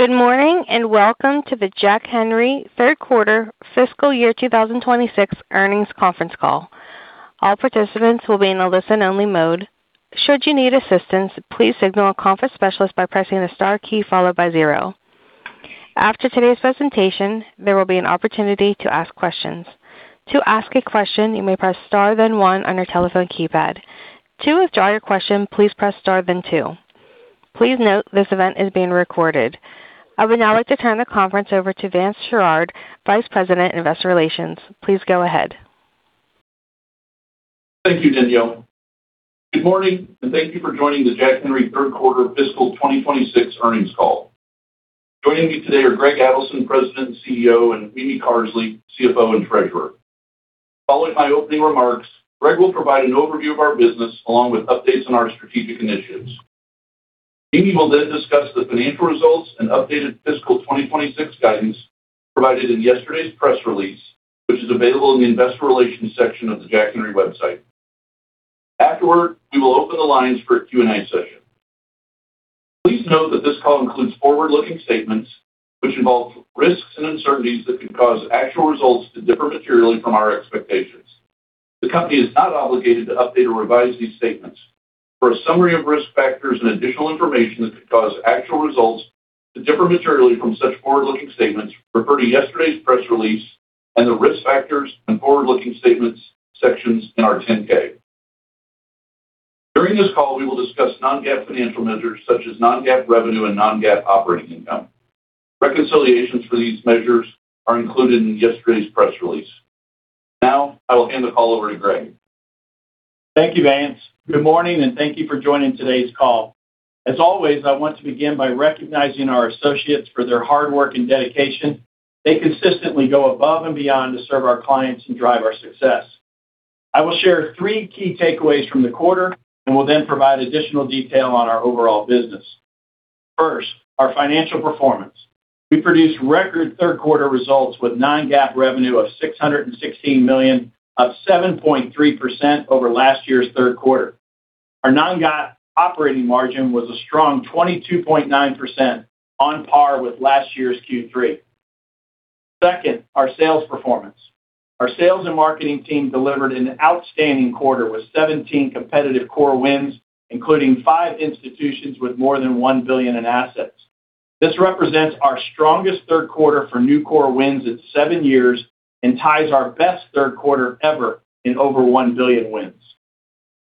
Good morning, and welcome to the Jack Henry third quarter fiscal year 2026 earnings conference call. All participants will be in a listen-only mode. Should you need assistance, please signal a conference specialist by pressing the star key followed by zero. After today's presentation, there will be an opportunity to ask questions. To ask a question, you may press star then one on your telephone keypad. To withdraw your question, please press star then two. Please note this event is being recorded. I would now like to turn the conference over to Vance Sherard, Vice President, Investor Relations. Please go ahead. Thank you, Danielle. Good morning, and thank you for joining the Jack Henry third quarter fiscal 2026 earnings call. Joining me today are Greg Adelson, President and CEO, and Mimi Carsley, CFO and Treasurer. Following my opening remarks, Greg will provide an overview of our business along with updates on our strategic initiatives. Mimi will then discuss the financial results and updated fiscal 2026 guidance provided in yesterday's press release, which is available in the investor relations section of the jackhenry.com. Afterward, we will open the lines for a Q&A session. Please note that this call includes forward-looking statements which involve risks and uncertainties that could cause actual results to differ materially from our expectations. The company is not obligated to update or revise these statements. For a summary of risk factors and additional information that could cause actual results to differ materially from such forward-looking statements, refer to yesterday's press release and the risk factors and forward-looking statements sections in our 10-K. During this call, we will discuss non-GAAP financial measures such as non-GAAP revenue and non-GAAP operating income. Reconciliations for these measures are included in yesterday's press release. Now I will hand the call over to Greg. Thank you, Vance. Good morning, and thank you for joining today's call. As always, I want to begin by recognizing our associates for their hard work and dedication. They consistently go above and beyond to serve our clients and drive our success. I will share three key takeaways from the quarter and will then provide additional detail on our overall business. First, our financial performance. We produced record third-quarter results with non-GAAP revenue of $616 million, up 7.3% over last year's third quarter. Our non-GAAP operating margin was a strong 22.9% on par with last year's Q3. Second, our sales performance. Our sales and marketing team delivered an outstanding quarter with 17 competitive core wins, including five institutions with more than $1 billion in assets. This represents our strongest third quarter for new core wins in seven years and ties our best third quarter ever in over $1 billion wins.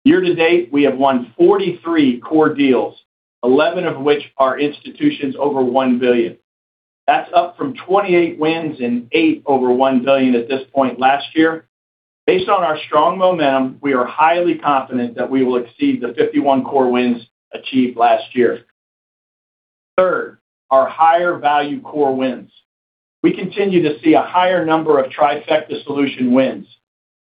Year-to-date, we have won 43 core deals, 11 of which are institutions over $1 billion. That's up from 28 wins and eight over $1 billion at this point last year. Based on our strong momentum, we are highly confident that we will exceed the 51 core wins achieved last year. Third, our higher value core wins. We continue to see a higher number of trifecta solution wins.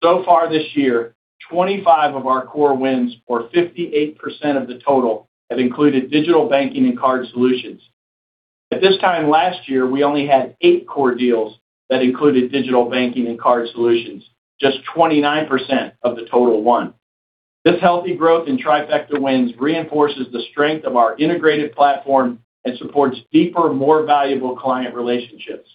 So far this year, 25 of our core wins, or 58% of the total, have included digital banking and card solutions. At this time last year, we only had eight core deals that included digital banking and card solutions, just 29% of the total won. This healthy growth in trifecta wins reinforces the strength of our integrated platform and supports deeper, more valuable client relationships.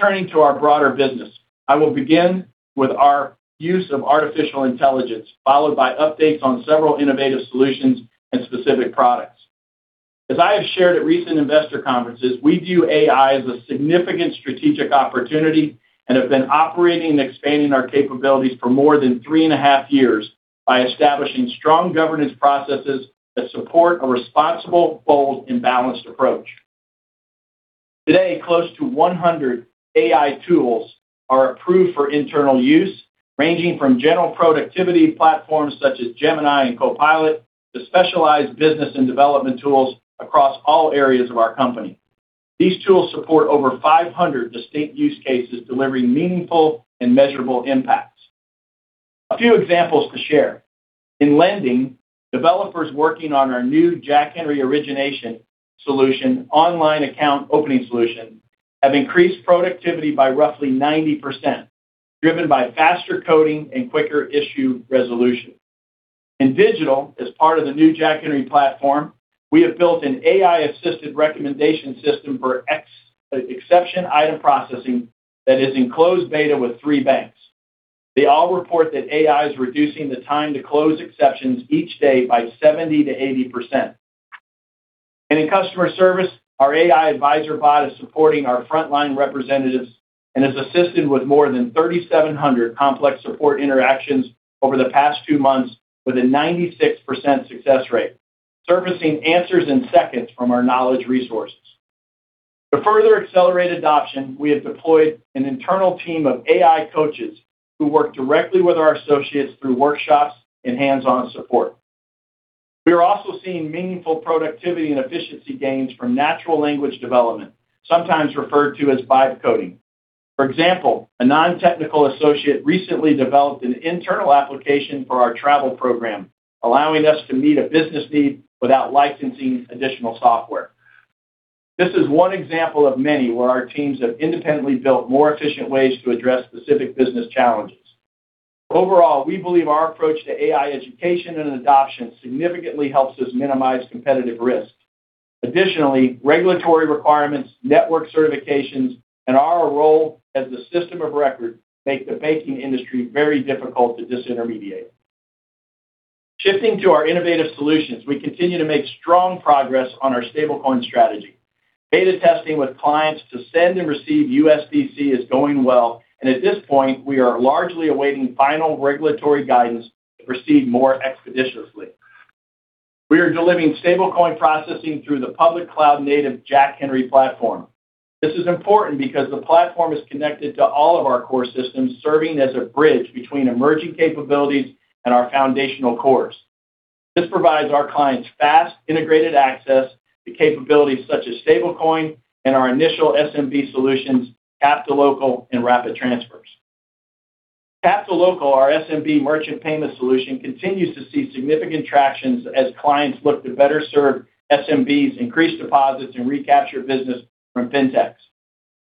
Turning to our broader business. I will begin with our use of artificial intelligence, followed by updates on several innovative solutions and specific products. As I have shared at recent investor conferences, we view AI as a significant strategic opportunity and have been operating and expanding our capabilities for more than 3.5 years by establishing strong governance processes that support a responsible, bold, and balanced approach. Today, close to 100 AI tools are approved for internal use, ranging from general productivity platforms such as Gemini and Copilot to specialized business and development tools across all areas of our company. These tools support over 500 distinct use cases, delivering meaningful and measurable impacts. A few examples to share. In lending, developers working on our new Jack Henry origination solution online account opening solution have increased productivity by roughly 90%, driven by faster coding and quicker issue resolution. In digital, as part of the new Jack Henry platform, we have built an AI-assisted recommendation system for exception item processing that is in closed beta with three banks. They all report that AI is reducing the time to close exceptions each day by 70%-80%. In customer service, our AI advisor bot is supporting our frontline representatives and has assisted with more than 3,700 complex support interactions over the past two months with a 96% success rate, surfacing answers in seconds from our knowledge resources. To further accelerate adoption, we have deployed an internal team of AI coaches who work directly with our associates through workshops and hands-on support. We are also seeing meaningful productivity and efficiency gains from natural language development, sometimes referred to as vibe coding. For example, a non-technical associate recently developed an internal application for our travel program, allowing us to meet a business need without licensing additional software. This is one example of many where our teams have independently built more efficient ways to address specific business challenges. Overall, we believe our approach to AI education and adoption significantly helps us minimize competitive risks. Additionally, regulatory requirements, network certifications, and our role as the system of record make the banking industry very difficult to disintermediate. Shifting to our innovative solutions, we continue to make strong progress on our stablecoin strategy. Beta testing with clients to send and receive USDC is going well, and at this point, we are largely awaiting final regulatory guidance to proceed more expeditiously. We are delivering stablecoin processing through the public cloud-native Jack Henry platform. This is important because the platform is connected to all of our core systems, serving as a bridge between emerging capabilities and our foundational cores. This provides our clients fast, integrated access to capabilities such as stablecoin and our initial SMB solutions, Tap2Local and Rapid Transfers. Tap2Local, our SMB merchant payment solution, continues to see significant tractions as clients look to better serve SMBs, increase deposits, and recapture business from Fintechs.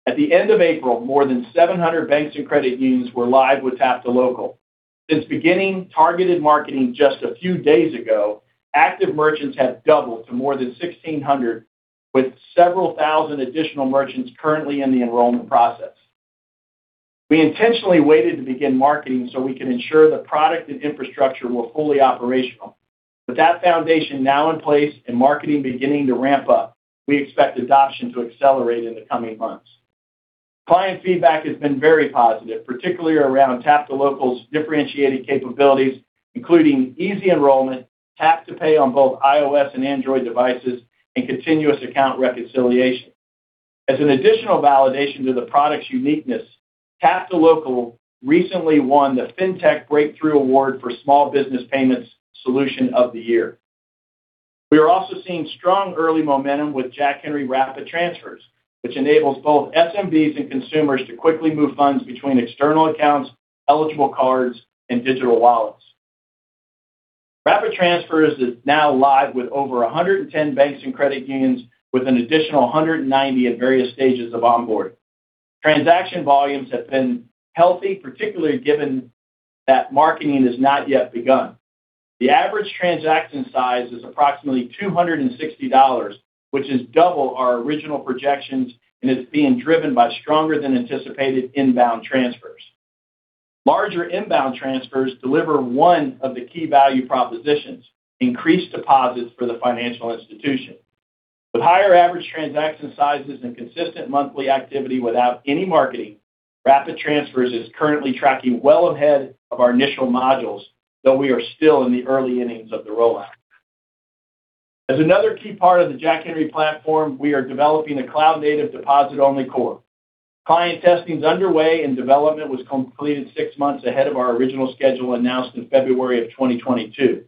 At the end of April, more than 700 banks and credit unions were live with Tap2Local. Since beginning targeted marketing just a few days ago, active merchants have doubled to more than 1,600, with several thousand additional merchants currently in the enrollment process. We intentionally waited to begin marketing so we could ensure the product and infrastructure were fully operational. With that foundation now in place and marketing beginning to ramp up, we expect adoption to accelerate in the coming months. Client feedback has been very positive, particularly around Tap2Local's differentiated capabilities, including easy enrollment, tap-to-pay on both iOS and Android devices, and continuous account reconciliation. As an additional validation to the product's uniqueness, Tap2Local recently won the FinTech Breakthrough Award for Small Business Payments Solution of the Year. We are also seeing strong early momentum with Jack Henry Rapid Transfers, which enables both SMBs and consumers to quickly move funds between external accounts, eligible cards, and digital wallets. Rapid Transfers is now live with over 110 banks and credit unions, with an additional 190 at various stages of onboarding. Transaction volumes have been healthy, particularly given that marketing has not yet begun. The average transaction size is approximately $260, which is double our original projections, and it's being driven by stronger than anticipated inbound transfers. Larger inbound transfers deliver one of the key value propositions, increased deposits for the financial institution. With higher average transaction sizes and consistent monthly activity without any marketing, Rapid Transfers is currently tracking well ahead of our initial modules, though we are still in the early innings of the rollout. As another key part of the Jack Henry platform, we are developing a cloud-native deposit-only core. Client testing is underway and development was completed six months ahead of our original schedule announced in February of 2022.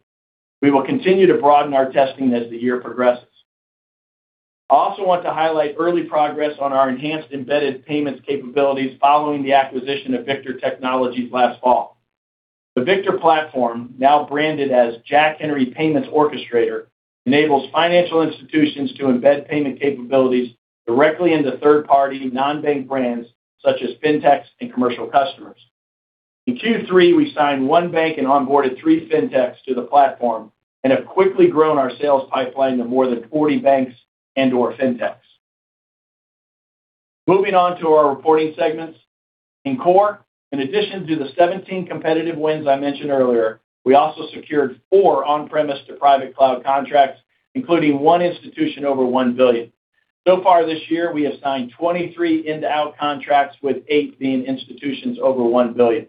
We will continue to broaden our testing as the year progresses. I also want to highlight early progress on our enhanced embedded payments capabilities following the acquisition of Victor Technologies last fall. The Victor platform, now branded as Jack Henry Payments Orchestrator, enables financial institutions to embed payment capabilities directly into third-party non-bank brands such as Fintechs and commercial customers. In Q3, we signed one bank and onboarded three Fintechs to the platform and have quickly grown our sales pipeline to more than 40 banks and or Fintechs. Moving on to our reporting segments. In core, in addition to the 17 competitive wins I mentioned earlier, we also secured four on-premise to private cloud contracts, including one institution over $1 billion. So far this year, we have signed 23 in-to-out contracts, with eight being institutions over $1 billion.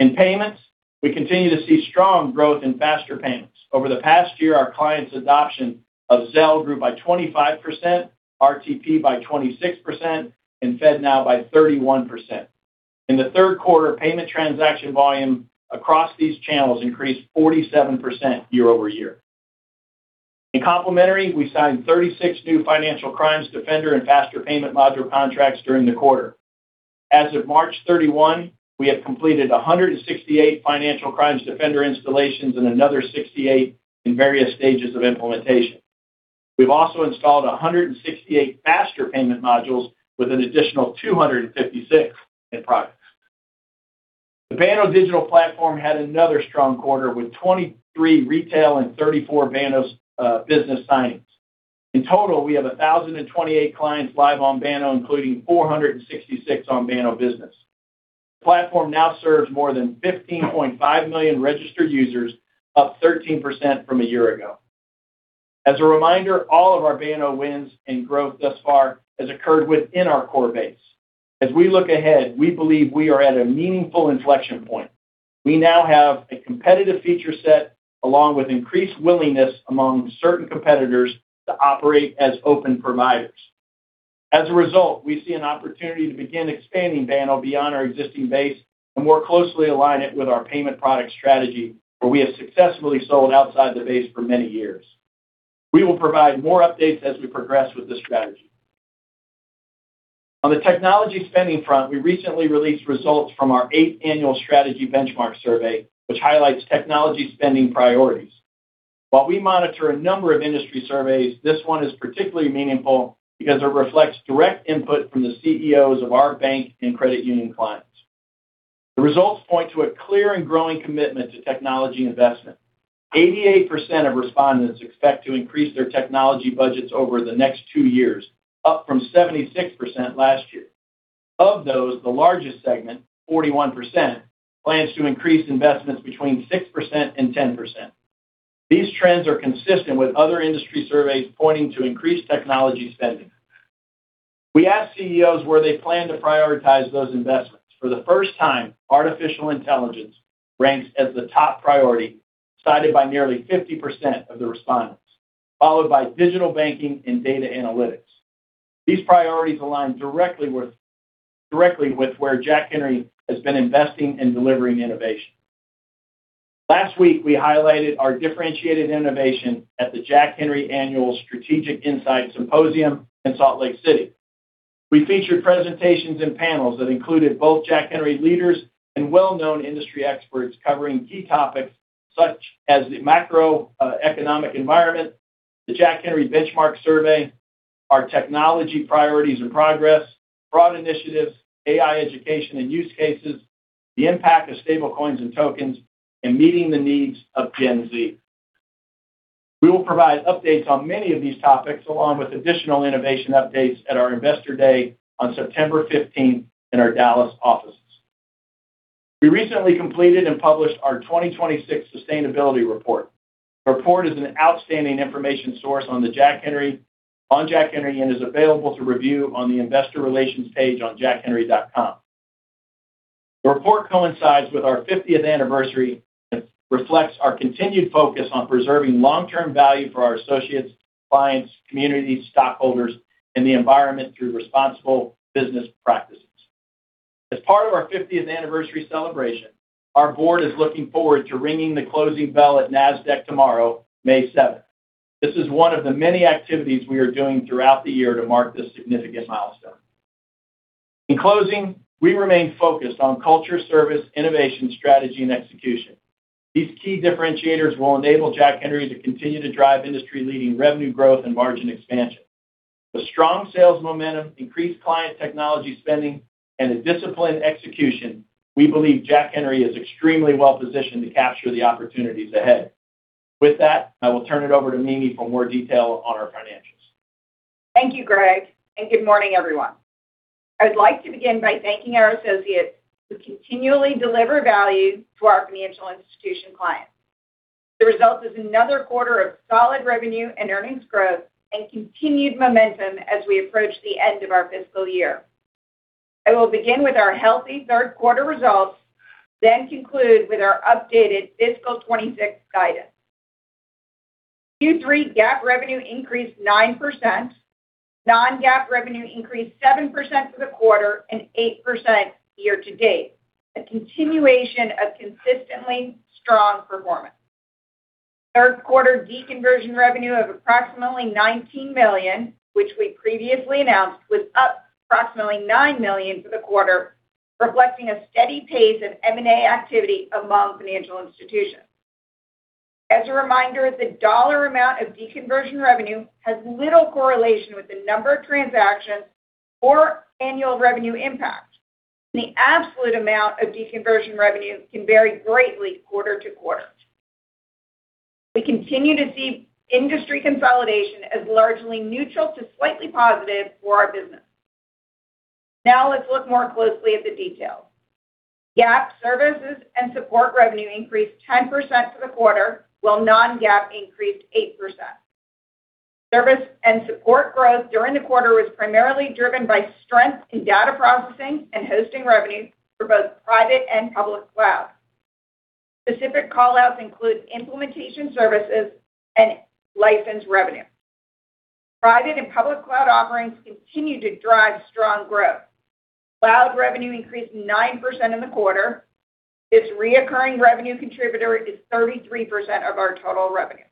In payments, we continue to see strong growth in faster payments. Over the past year, our clients' adoption of Zelle grew by 25%, RTP by 26%, and FedNow by 31%. In the third quarter, payment transaction volume across these channels increased 47% year-over-year. In complementary, we signed 36 new Financial Crimes Defender and Faster Payment Module contracts during the quarter. As of March 31, we have completed 168 Financial Crimes Defender installations and another 68 in various stages of implementation. We've also installed 168 Faster Payment Modules with an additional 256 in progress. The Banno Digital Platform had another strong quarter with 23 retail and 34 Banno Business signings. In total, we have 1,028 clients live on Banno, including 466 on Banno Business. The platform now serves more than 15.5 million registered users, up 13% from a year ago. As a reminder, all of our Banno wins and growth thus far has occurred within our core base. As we look ahead, we believe we are at a meaningful inflection point. We now have a competitive feature set along with increased willingness among certain competitors to operate as open providers. As a result, we see an opportunity to begin expanding Banno beyond our existing base and more closely align it with our payment product strategy, where we have successfully sold outside the base for many years. We will provide more updates as we progress with this strategy. On the technology spending front, we recently released results from our eighth annual strategy benchmark survey, which highlights technology spending priorities. While we monitor a number of industry surveys, this one is particularly meaningful because it reflects direct input from the CEOs of our bank and credit union clients. The results point to a clear and growing commitment to technology investment. 88% of respondents expect to increase their technology budgets over the next two years, up from 76% last year. Of those, the largest segment, 41%, plans to increase investments between 6% and 10%. These trends are consistent with other industry surveys pointing to increased technology spending. We asked CEOs where they plan to prioritize those investments. For the first time, artificial intelligence ranks as the top priority, cited by nearly 50% of the respondents, followed by digital banking and data analytics. These priorities align directly with where Jack Henry has been investing in delivering innovation. Last week, we highlighted our differentiated innovation at the Jack Henry Annual Strategic Insight Symposium in Salt Lake City. We featured presentations and panels that included both Jack Henry leaders and well-known industry experts covering key topics such as the macroeconomic environment, the Jack Henry Benchmark survey, our technology priorities and progress, fraud initiatives, AI education and use cases, the impact of stable coins and tokens, and meeting the needs of Gen Z. We will provide updates on many of these topics along with additional innovation updates at our Investor Day on September 15th in our Dallas offices. We recently completed and published our 2026 sustainability report. The report is an outstanding information source on Jack Henry and is available to review on the investor relations page on jackhenry.com. The report coincides with our 50th anniversary. It reflects our continued focus on preserving long-term value for our associates, clients, communities, stockholders, and the environment through responsible business practices. As part of our 50th anniversary celebration, our board is looking forward to ringing the closing bell at Nasdaq tomorrow, May 7th. This is one of the many activities we are doing throughout the year to mark this significant milestone. In closing, we remain focused on culture, service, innovation, strategy, and execution. These key differentiators will enable Jack Henry to continue to drive industry-leading revenue growth and margin expansion. With strong sales momentum, increased client technology spending, and a disciplined execution, we believe Jack Henry is extremely well positioned to capture the opportunities ahead. With that, I will turn it over to Mimi for more detail on our financials. Thank you, Greg, and good morning, everyone. I would like to begin by thanking our associates who continually deliver value to our financial institution clients. The result is another quarter of solid revenue and earnings growth and continued momentum as we approach the end of our fiscal year. I will begin with our healthy Third quarter results, then conclude with our updated fiscal 2026 guidance. Q3 GAAP revenue increased 9%. Non-GAAP revenue increased 7% for the quarter and 8% year-to-date, a continuation of consistently strong performance. Third quarter deconversion revenue of approximately $19 million, which we previously announced, was up approximately $9 million for the quarter, reflecting a steady pace of M&A activity among financial institutions. As a reminder, the dollar amount of deconversion revenue has little correlation with the number of transactions or annual revenue impact. The absolute amount of deconversion revenue can vary greatly quarter-to-quarter. We continue to see industry consolidation as largely neutral to slightly positive for our business. Now, let's look more closely at the details. GAAP services and support revenue increased 10% for the quarter, while non-GAAP increased 8%. Service and support growth during the quarter was primarily driven by strength in data processing and hosting revenues for both private and public cloud. Specific callouts include implementation services and license revenue. Private and public cloud offerings continue to drive strong growth. Cloud revenue increased 9% in the quarter. This recurring revenue contributor is 33% of our total revenue.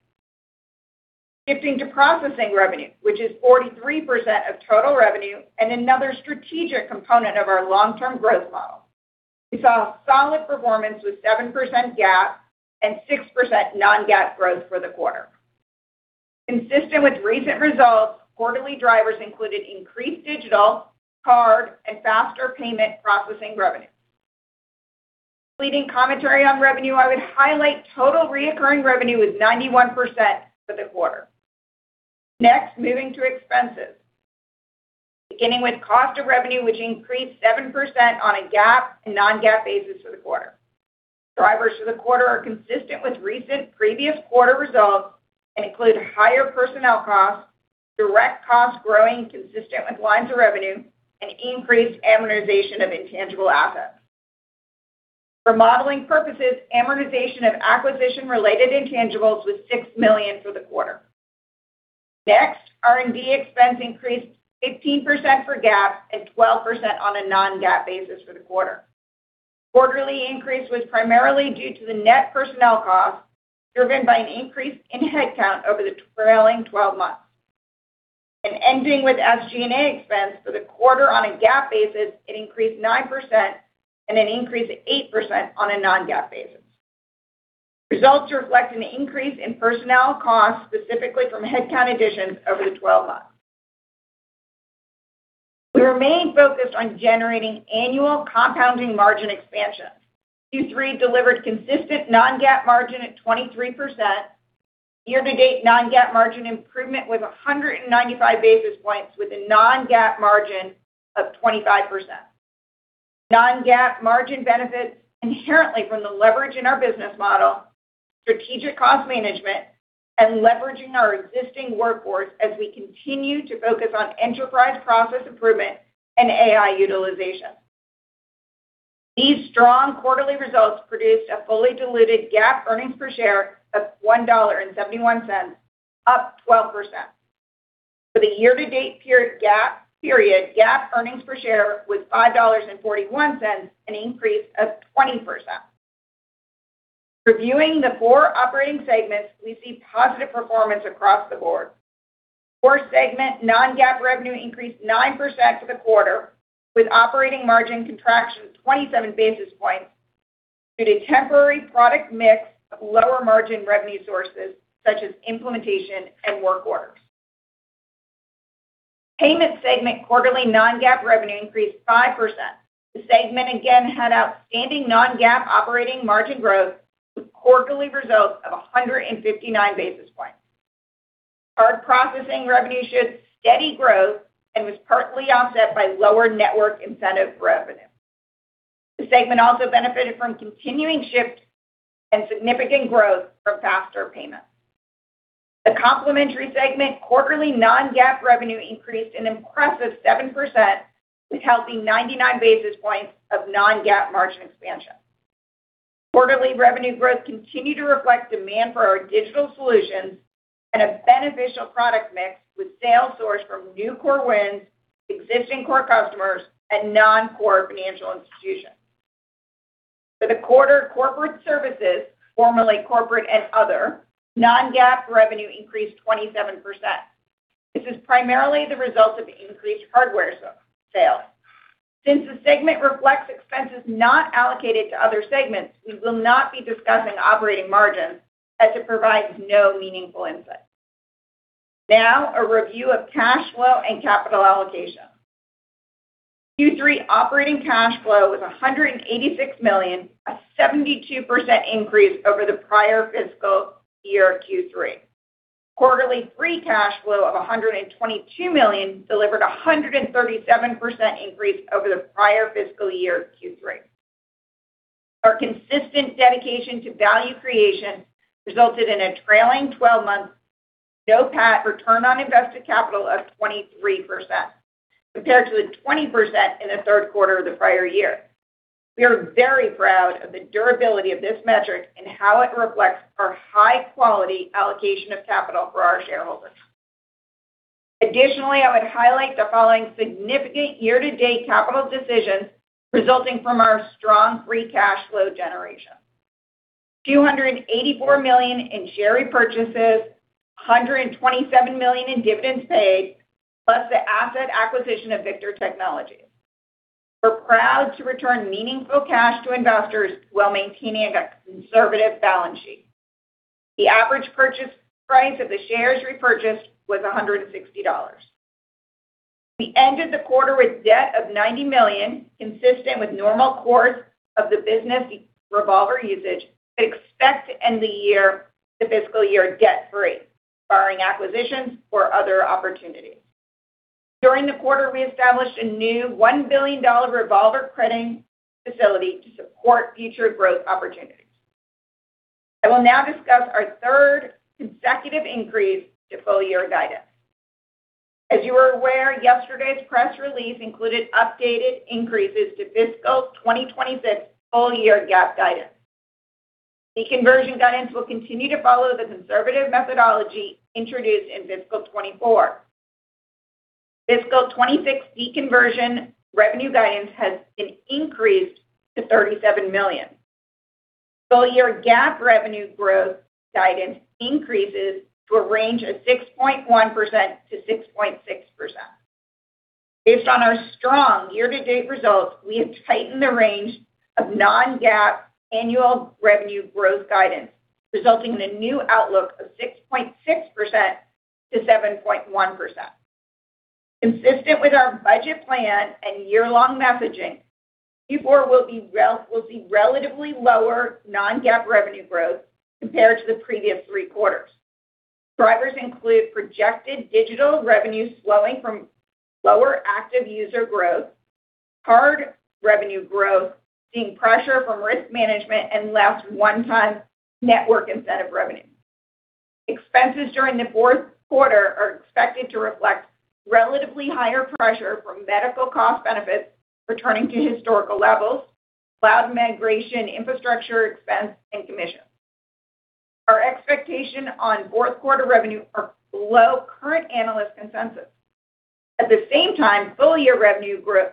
Shifting to processing revenue, which is 43% of total revenue and another strategic component of our long-term growth model. We saw solid performance with 7% GAAP and 6% non-GAAP growth for the quarter. Consistent with recent results, quarterly drivers included increased digital, card, and faster payments processing revenue. Leading commentary on revenue, I would highlight total recurring revenue was 91% for the quarter. Moving to expenses. Beginning with cost of revenue, which increased 7% on a GAAP and non-GAAP basis for the quarter. Drivers for the quarter are consistent with recent previous quarter results and include higher personnel costs, direct costs growing consistent with lines of revenue, and increased amortization of intangible assets. For modeling purposes, amortization of acquisition-related intangibles was $6 million for the quarter. R&D expense increased 15% for GAAP and 12% on a non-GAAP basis for the quarter. Quarterly increase was primarily due to the net personnel costs driven by an increase in headcount over the trailing 12 months. Ending with SG&A expense for the quarter on a GAAP basis, it increased 9% and an increase of 8% on a non-GAAP basis. Results reflect an increase in personnel costs, specifically from headcount additions over the 12 months. We remain focused on generating annual compounding margin expansion. Q3 delivered consistent non-GAAP margin at 23%. Year-to-date non-GAAP margin improvement was 195 basis points with a non-GAAP margin of 25%. Non-GAAP margin benefits inherently from the leverage in our business model, strategic cost management, and leveraging our existing workforce as we continue to focus on enterprise process improvement and AI utilization. These strong quarterly results produced a fully diluted GAAP earnings per share of $1.71, up 12%. For the year-to-date period GAAP, period GAAP earnings per share was $5.41, an increase of 20%. Reviewing the four operating segments, we see positive performance across the board. Core segment non-GAAP revenue increased 9% for the quarter, with operating margin contraction of 27 basis points due to temporary product mix of lower margin revenue sources such as implementation and work orders. Payment segment quarterly non-GAAP revenue increased 5%. The segment again had outstanding non-GAAP operating margin growth with quarterly results of 159 basis points. Card processing revenue showed steady growth and was partly offset by lower network incentive revenue. The segment also benefited from continuing shift and significant growth from faster payments. The complementary segment quarterly non-GAAP revenue increased an impressive 7%, with healthy 99 basis points of non-GAAP margin expansion. Quarterly revenue growth continued to reflect demand for our digital solutions and a beneficial product mix with sales sourced from new core wins, existing core customers, and non-core financial institutions. For the quarter, corporate services, formerly corporate and other, non-GAAP revenue increased 27%. This is primarily the result of increased hardware sales. Since the segment reflects expenses not allocated to other segments, we will not be discussing operating margins as it provides no meaningful insight. A review of cash flow and capital allocation. Q3 operating cash flow was $186 million, a 72% increase over the prior fiscal year Q3. Quarterly free cash flow of $122 million delivered a 137% increase over the prior fiscal year Q3. Our consistent dedication to value creation resulted in a trailing 12-month NOPAT return on invested capital of 23%, compared to the 20% in the third quarter of the prior year. We are very proud of the durability of this metric and how it reflects our high-quality allocation of capital for our shareholders. I would highlight the following significant year-to-date capital decisions resulting from our strong free cash flow generation. $284 million in share repurchases, $127 million in dividends paid, plus the asset acquisition of Victor Technologies. We're proud to return meaningful cash to investors while maintaining a conservative balance sheet. The average purchase price of the shares repurchased was $160. We ended the quarter with debt of $90 million, consistent with normal course of the business revolver usage, but expect to end the year, the fiscal year debt-free, barring acquisitions or other opportunities. During the quarter, we established a new $1 billion revolver credit facility to support future growth opportunities. I will now discuss our third consecutive increase to full-year guidance. As you are aware, yesterday's press release included updated increases to fiscal 2026 full-year GAAP guidance. The conversion guidance will continue to follow the conservative methodology introduced in fiscal 2024. Fiscal 2026 deconversion revenue guidance has been increased to $37 million. Full-year GAAP revenue growth guidance increases to a range of 6.1%-6.6%. Based on our strong year-to-date results, we have tightened the range of non-GAAP annual revenue growth guidance, resulting in a new outlook of 6.6%-7.1%. Consistent with our budget plan and year-long messaging, Q4 will see relatively lower non-GAAP revenue growth compared to the previous three quarters. Drivers include projected digital revenue slowing from lower active user growth, card revenue growth, seeing pressure from risk management, and less one-time network incentive revenue. Expenses during the fourth quarter are expected to reflect relatively higher pressure from medical cost benefits returning to historical levels, cloud migration, infrastructure expense, and commission. Our expectation on fourth quarter revenue are below current analyst consensus. At the same time, full-year revenue growth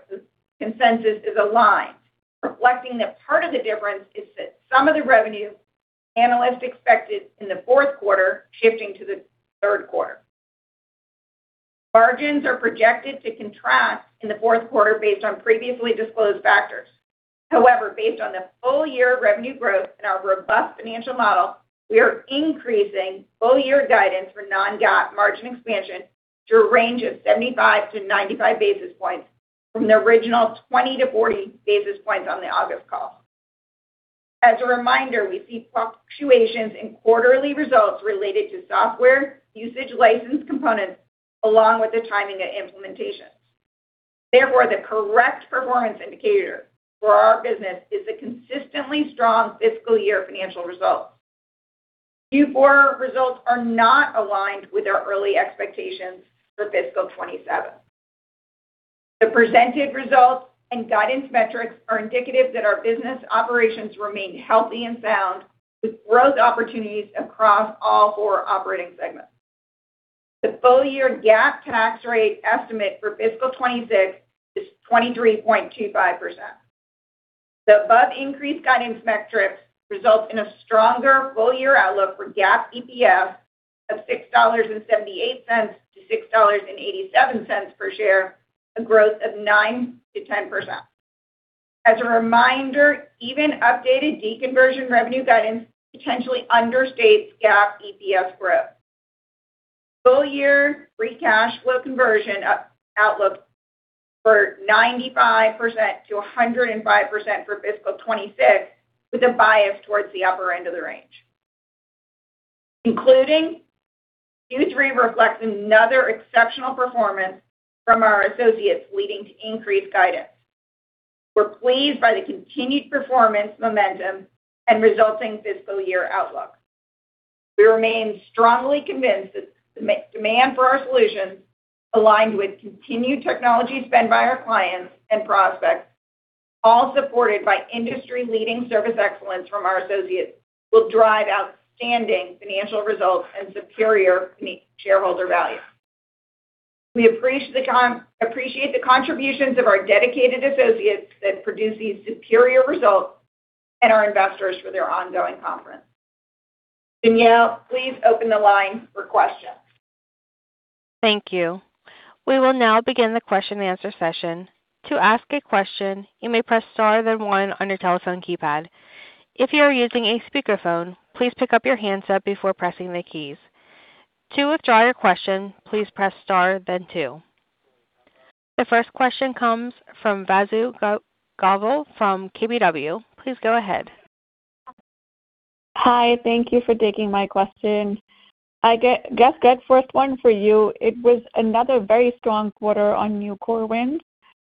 consensus is aligned. Reflecting that part of the difference is that some of the revenue analysts expected in the fourth quarter shifting to the third quarter. Margins are projected to contract in the fourth quarter based on previously disclosed factors. However, based on the full-year revenue growth and our robust financial model, we are increasing full-year guidance for non-GAAP margin expansion to a range of 75-95 basis points from the original 20-40 basis points on the August call. As a reminder, we see fluctuations in quarterly results related to software usage license components along with the timing of implementation. Therefore, the correct performance indicator for our business is the consistently strong fiscal year financial results. Q4 results are not aligned with our early expectations for fiscal 2027. The presented results and guidance metrics are indicative that our business operations remain healthy and sound with growth opportunities across all four operating segments. The full-year GAAP tax rate estimate for fiscal 2026 is 23.25%. The above increased guidance metrics result in a stronger full-year outlook for GAAP EPS of $6.78-$6.87 per share, a growth of 9%-10%. As a reminder, even updated deconversion revenue guidance potentially understates GAAP EPS growth. Full-year free cash flow conversion outlook for 95%-105% for fiscal 2026, with a bias towards the upper end of the range. In concluding, Q3 reflects another exceptional performance from our associates, leading to increased guidance. We're pleased by the continued performance momentum and resulting fiscal year outlook. We remain strongly convinced that demand for our solutions, aligned with continued technology spend by our clients and prospects, all supported by industry-leading service excellence from our associates, will drive outstanding financial results and superior shareholder value. We appreciate the contributions of our dedicated associates that produce these superior results and our investors for their ongoing confidence. Danielle, please open the line for questions. Thank you. We will now begin the question-and-answer session. To ask a question, you may press star then one on your telephone keypad. If you're using a speaker phone, please pick up your handset before pressing the keys. To withdraw your question, please press star then two. The first question comes from Vasundhara Govil from KBW. Please go ahead. Hi, thank you for taking my question. Greg, first one for you. It was another very strong quarter on new core wins.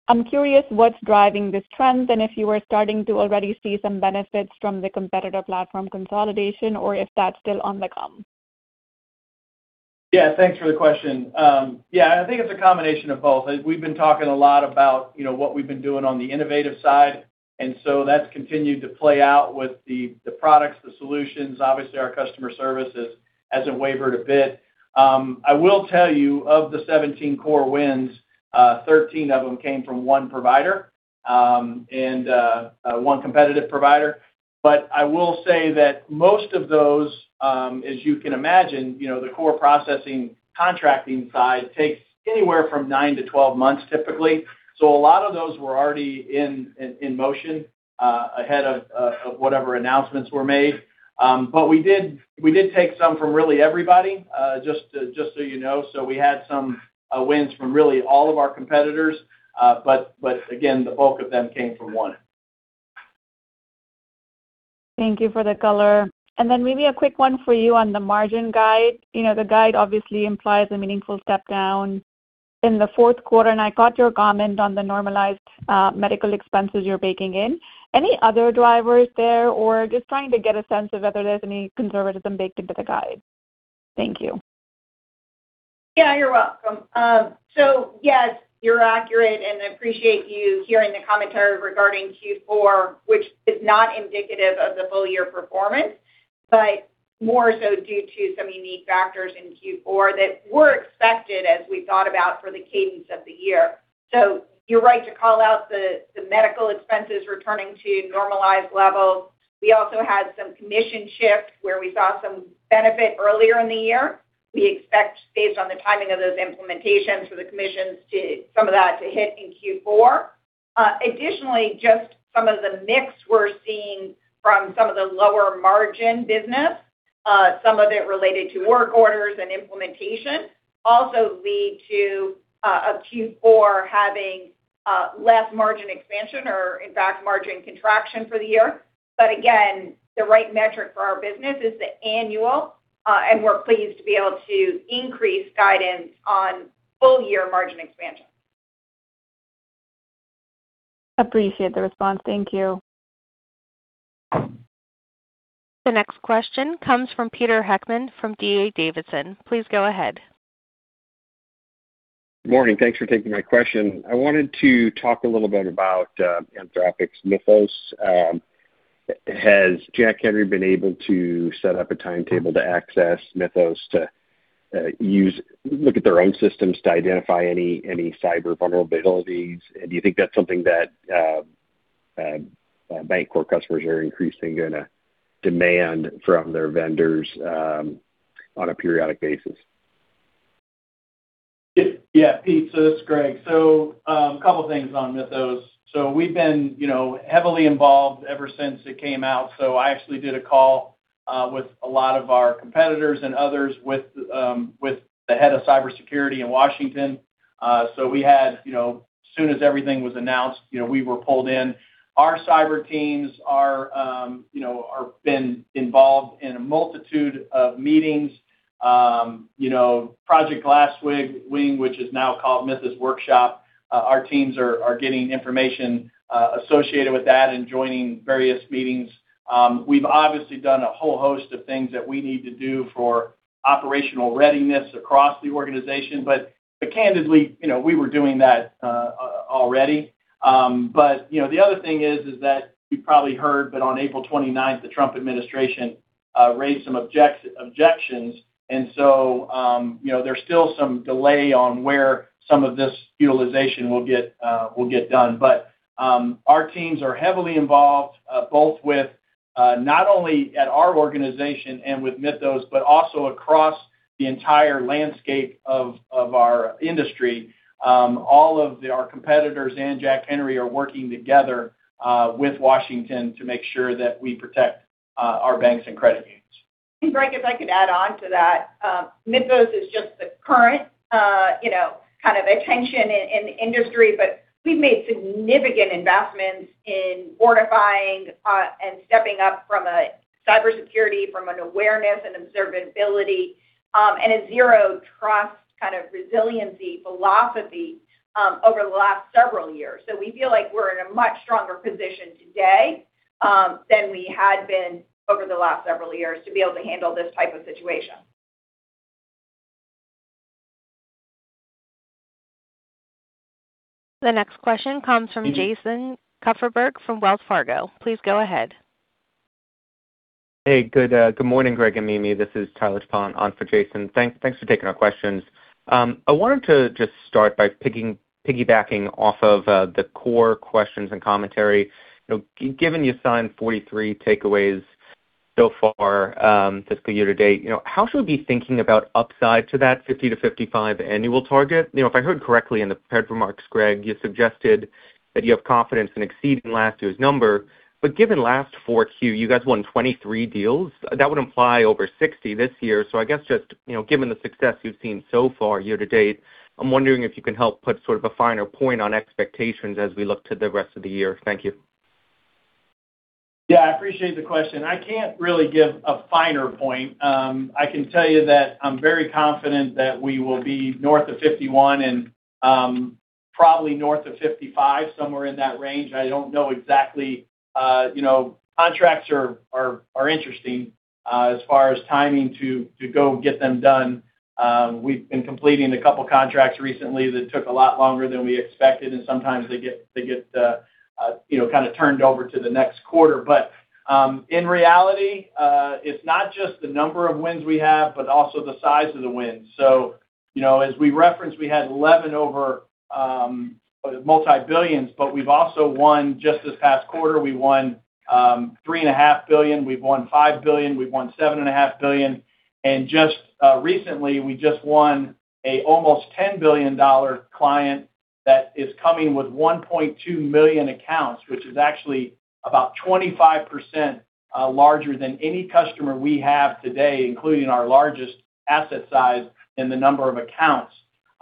I'm curious what's driving this trend, and if you are starting to already see some benefits from the competitive platform consolidation or if that's still on the come? Yeah, thanks for the question. Yeah, I think it's a combination of both. We've been talking a lot about, you know, what we've been doing on the innovative side, and so that's continued to play out with the products, the solutions. Obviously, our customer service hasn't wavered a bit. I will tell you, of the 17 core wins, 13 of them came from one provider, one competitive provider. I will say that most of those, as you can imagine, you know, the core processing contracting side takes anywhere from 9-12 months, typically. A lot of those were already in motion ahead of whatever announcements were made. We did take some from really everybody, just so you know. We had some wins from really all of our competitors. But again, the bulk of them came from one. Thank you for the color. Then maybe a quick one for you on the margin guide. You know, the guide obviously implies a meaningful step down in the fourth quarter, and I caught your comment on the normalized medical expenses you're baking in. Any other drivers there or just trying to get a sense of whether there's any conservatism baked into the guide? Thank you. Yeah, you're welcome. Yes, you're accurate, and I appreciate you hearing the commentary regarding Q4, which is not indicative of the full-year performance, but more so due to some unique factors in Q4 that were expected as we thought about for the cadence of the year. You're right to call out the medical expenses returning to normalized levels. We also had some commission shift where we saw some benefit earlier in the year. We expect based on the timing of those implementations for the commissions some of that to hit in Q4. Additionally, just some of the mix we're seeing from some of the lower margin business, some of it related to work orders and implementation also lead to Q4 having less margin expansion or in fact margin contraction for the year. Again, the right metric for our business is the annual, and we're pleased to be able to increase guidance on full-year margin expansion. Appreciate the response. Thank you. The next question comes from Peter Heckmann from D.A. Davidson. Please go ahead. Morning. Thanks for taking my question. I wanted to talk a little bit about Anthropic's Mythos. Has Jack Henry been able to set up a timetable to access Mythos to look at their own systems to identify any cyber vulnerabilities? Do you think that's something that bank core customers are increasingly gonna demand from their vendors on a periodic basis? Yeah, Pete, this is Greg. A couple things on Mythos. We've been, you know, heavily involved ever since it came out. I actually did a call with a lot of our competitors and others with the head of cybersecurity in Washington. We had, you know, as soon as everything was announced, you know, we were pulled in. Our cyber teams are, you know, been involved in a multitude of meetings. You know, Project Glasswing, which is now called Mythos Workshop, our teams are getting information associated with that and joining various meetings. We've obviously done a whole host of things that we need to do for operational readiness across the organization. Candidly, you know, we were doing that already. You know, the other thing is that you probably heard that on April 29th, the Trump administration raised some objections. You know, there's still some delay on where some of this utilization will get done. Our teams are heavily involved both with not only at our organization and with Mythos, but also across the entire landscape of our industry. All of our competitors and Jack Henry are working together with Washington to make sure that we protect our banks and credit unions. Greg, if I could add on to that. Mythos is just the current kind of attention in the industry, but we've made significant investments in fortifying and stepping up from a cybersecurity, from an awareness and observability, and a zero trust kind of resiliency philosophy over the last several years. We feel like we're in a much stronger position today than we had been over the last several years to be able to handle this type of situation. The next question comes from Jason Kupferberg from Wells Fargo. Please go ahead. Hey, good morning, Greg and Mimi. This is Tyler DuPont on for Jason. Thanks for taking our questions. I wanted to just start by piggybacking off of the core questions and commentary. You know, given you signed 43 takeaways so far, fiscal year-to-date, you know, how should we be thinking about upside to that 50-55 annual target? You know, if I heard correctly in the prepared remarks, Greg, you suggested that you have confidence in exceeding last year's number. Given last 4Q, you guys won 23 deals, that would imply over 60 this year. I guess just, you know, given the success you've seen so far year-to-date, I'm wondering if you can help put sort of a finer point on expectations as we look to the rest of the year. Thank you. I appreciate the question. I can't really give a finer point. I can tell you that I'm very confident that we will be north of 51 and probably north of 55, somewhere in that range. I don't know exactly. You know, contracts are interesting as far as timing to go get them done. We've been completing a couple contracts recently that took a lot longer than we expected, and sometimes they get, you know, kind of turned over to the next quarter. In reality, it's not just the number of wins we have, but also the size of the wins. You know, as we referenced, we had 11 over multi-billions, but we've also won just this past quarter, we won $3.5 billion, we've won $5 billion, we've won $7.5 billion. Just recently, we just won a almost $10 billion client that is coming with 1.2 million accounts, which is actually about 25% larger than any customer we have today, including our largest asset size and the number of accounts.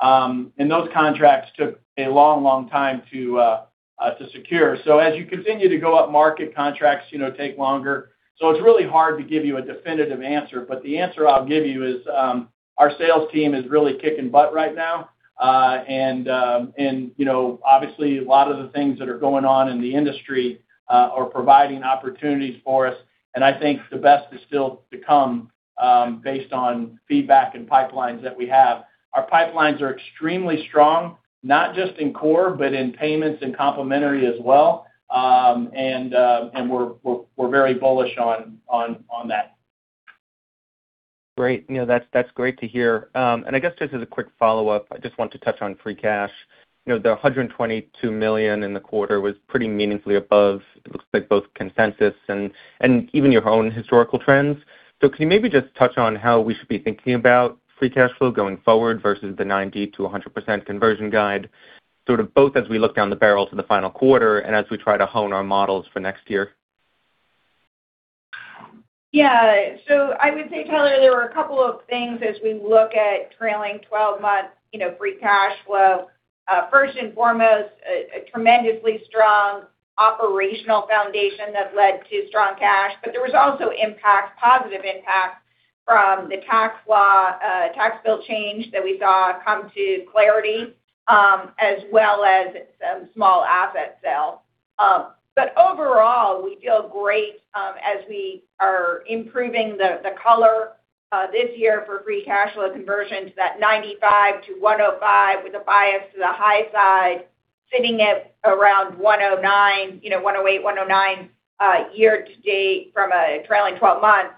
Those contracts took a long, long time to secure. As you continue to go upmarket, contracts, you know, take longer. It's really hard to give you a definitive answer. The answer I'll give you is, our sales team is really kicking butt right now. You know, obviously, a lot of the things that are going on in the industry are providing opportunities for us, and I think the best is still to come, based on feedback and pipelines that we have. Our pipelines are extremely strong, not just in core, but in payments and complementary as well. We're very bullish on that. Great. You know, that's great to hear. I guess just as a quick follow-up, I just want to touch on free cash. You know, the $122 million in the quarter was pretty meaningfully above, it looks like both consensus and even your own historical trends. Can you maybe just touch on how we should be thinking about free cash flow going forward versus the 90%-100% conversion guide, sort of both as we look down the barrel to the final quarter and as we try to hone our models for next year? I would say, Tyler, there were a couple of things as we look at trailing 12 months, you know, free cash flow. First and foremost, a tremendously strong operational foundation that led to strong cash. There was also impact, positive impact from the tax law, tax bill change that we saw come to clarity, as well as some small asset sales. Overall, we feel great, as we are improving the color this year for free cash flow conversion to that 95%-105% with a bias to the high side, sitting at around 109%, you know, 108%, 109%, year-to-date from a trailing 12 months.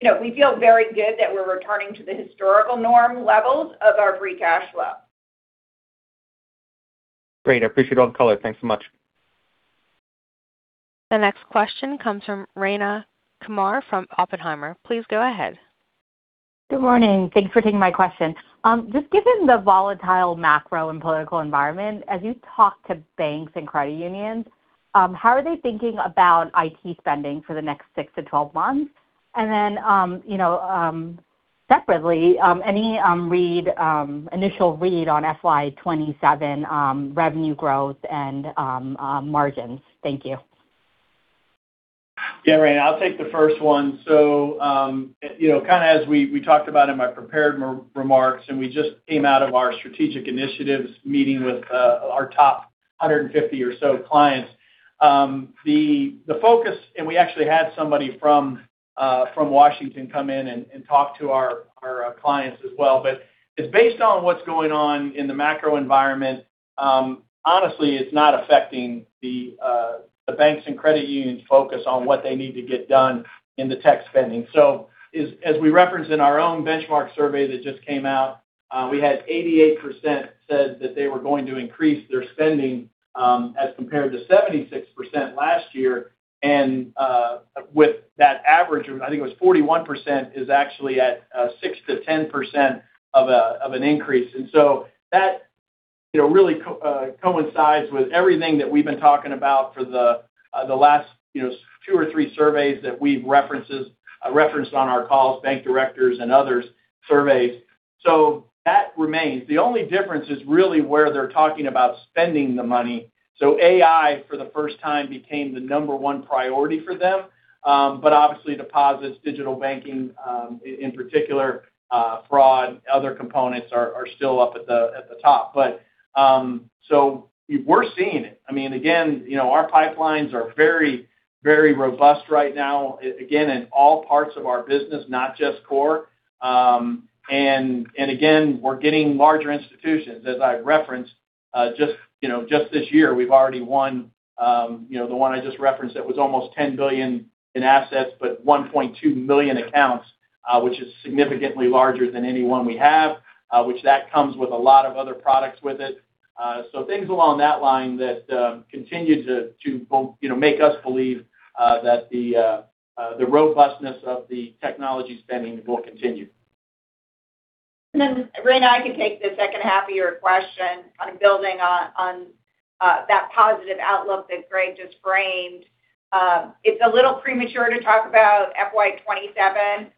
You know, we feel very good that we're returning to the historical norm levels of our free cash flow. Great. I appreciate all the color. Thanks so much. The next question comes from Rayna Kumar from Oppenheimer. Please go ahead. Good morning. Thanks for taking my question. Just given the volatile macro and political environment, as you talk to banks and credit unions, how are they thinking about IT spending for the next 6-12 months? Then, you know, separately, any initial read on FY 2027 revenue growth and margins? Thank you. Rayna, I'll take the first one. You know, kind of as we talked about in my prepared remarks, and we just came out of our strategic initiatives meeting with our top 150 or so clients. The focus and we actually had somebody from Washington come in and talk to our clients as well. It's based on what's going on in the macro environment, honestly, it's not affecting the banks and credit unions' focus on what they need to get done in the tech spending. As we referenced in our own benchmark survey that just came out, we had 88% said that they were going to increase their spending as compared to 76% last year. With that average of, I think it was 41% is actually at 6%-10% of an increase. That, you know, really coincides with everything that we've been talking about for the last, you know, two or three surveys that we've referenced on our calls, Bank Directors and others surveys. That remains. The only difference is really where they're talking about spending the money. AI, for the first time, became the number one priority for them. Obviously deposits, digital banking, in particular, fraud, other components are still up at the top. We're seeing it. I mean, again, you know, our pipelines are very, very robust right now, again, in all parts of our business, not just core. Again, we're getting larger institutions. As I referenced, just, you know, just this year, we've already won, you know, the one I just referenced that was almost $10 billion in assets, but 1.2 million accounts, which is significantly larger than any one we have, which that comes with a lot of other products with it. Things along that line that continue to, you know, make us believe that the robustness of the technology spending will continue. Rayna, I can take the second half of your question on building on that positive outlook that Greg just framed. It's a little premature to talk about FY 2027.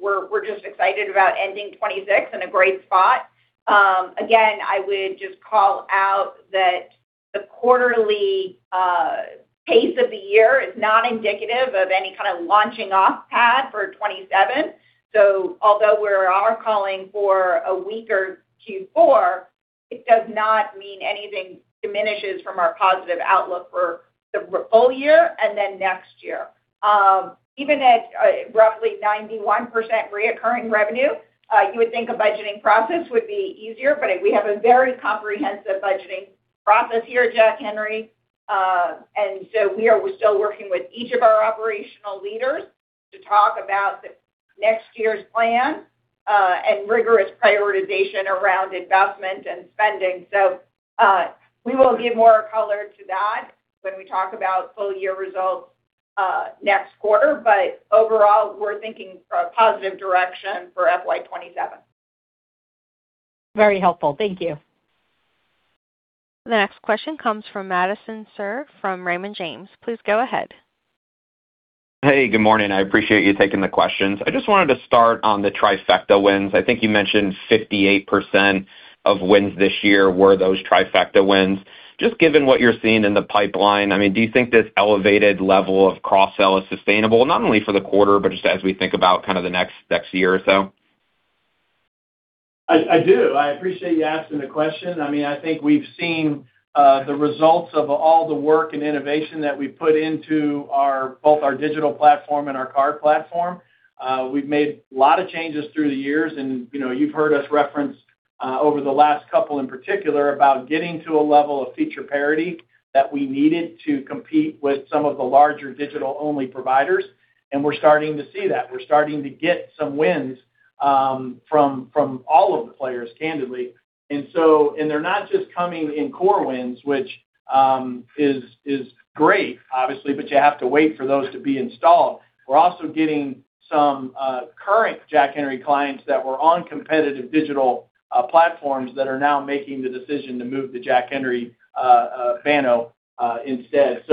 We're just excited about ending 26 in a great spot. Again, I would just call out that the quarterly pace of the year is not indicative of any kind of launching off pad for 2027. Although we are calling for a weaker Q4, it does not mean anything diminishes from our positive outlook for the full year and then next year. Even at roughly 91% recurring revenue, you would think a budgeting process would be easier, but we have a very comprehensive budgeting process here at Jack Henry. We are still working with each of our operational leaders to talk about next year's plan, and rigorous prioritization around investment and spending. We will give more color to that when we talk about full year results, next quarter. Overall, we're thinking a positive direction for FY 2027. Very helpful. Thank you. The next question comes from Madison Suhr from Raymond James. Please go ahead. Hey, good morning. I appreciate you taking the questions. I just wanted to start on the trifecta wins. I think you mentioned 58% of wins this year were those trifecta wins. Just given what you're seeing in the pipeline, I mean, do you think this elevated level of cross-sell is sustainable not only for the quarter, but just as we think about kind of the next year or so? I do. I appreciate you asking the question. I mean, I think we've seen the results of all the work and innovation that we put into both our digital platform and our card platform. We've made a lot of changes through the years and, you know, you've heard us reference over the last couple in particular about getting to a level of feature parity that we needed to compete with some of the larger digital-only providers, and we're starting to see that. We're starting to get some wins from all of the players, candidly. They're not just coming in core wins, which is great, obviously, but you have to wait for those to be installed. We're also getting some current Jack Henry clients that were on competitive digital platforms that are now making the decision to move to Jack Henry Banno instead.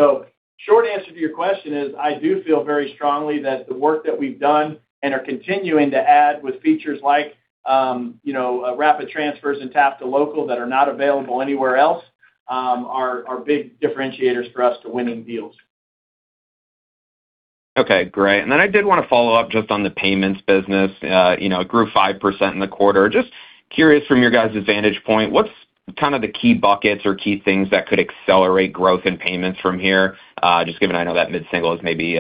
Short answer to your question is, I do feel very strongly that the work that we've done and are continuing to add with features like, you know, Rapid Transfers and Tap2Local that are not available anywhere else, are big differentiators for us to winning deals. Okay, great. I did want to follow up just on the payments business. you know, it grew 5% in the quarter. Just curious from your guys' vantage point, what kind of the key buckets or key things that could accelerate growth in payments from here, just given I know that mid-single is maybe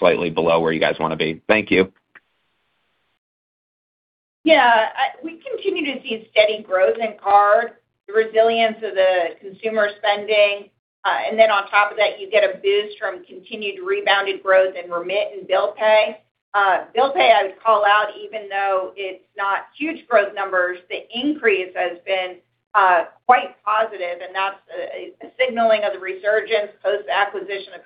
slightly below where you guys want to be. Thank you. We continue to see steady growth in card, the resilience of the consumer spending. On top of that, you get a boost from continued rebounded growth in remit and bill pay. Bill pay, I would call out, even though it's not huge growth numbers, the increase has been quite positive, and that's a signaling of the resurgence post-acquisition of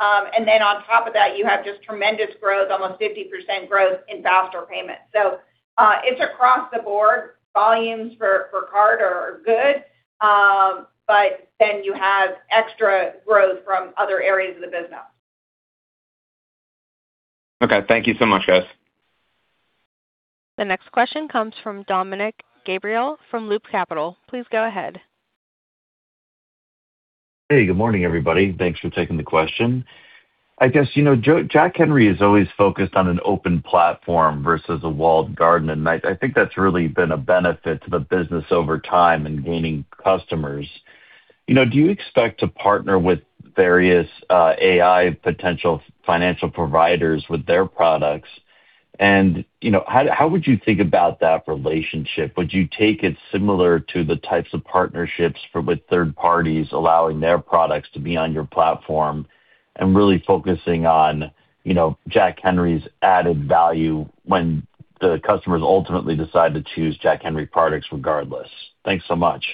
Payrailz. On top of that, you have just tremendous growth, almost 50% growth in faster payments. It's across the board. Volumes for card are good. You have extra growth from other areas of the business. Okay. Thank you so much, guys. The next question comes from Dominick Gabriele from Loop Capital. Please go ahead. Hey, good morning, everybody. Thanks for taking the question. I guess, you know, Jack Henry is always focused on an open platform versus a walled garden. I think that's really been a benefit to the business over time in gaining customers. You know, do you expect to partner with various AI potential financial providers with their products? You know, how would you think about that relationship? Would you take it similar to the types of partnerships for with third parties, allowing their products to be on your platform and really focusing on, you know, Jack Henry's added value when the customers ultimately decide to choose Jack Henry products regardless? Thanks so much.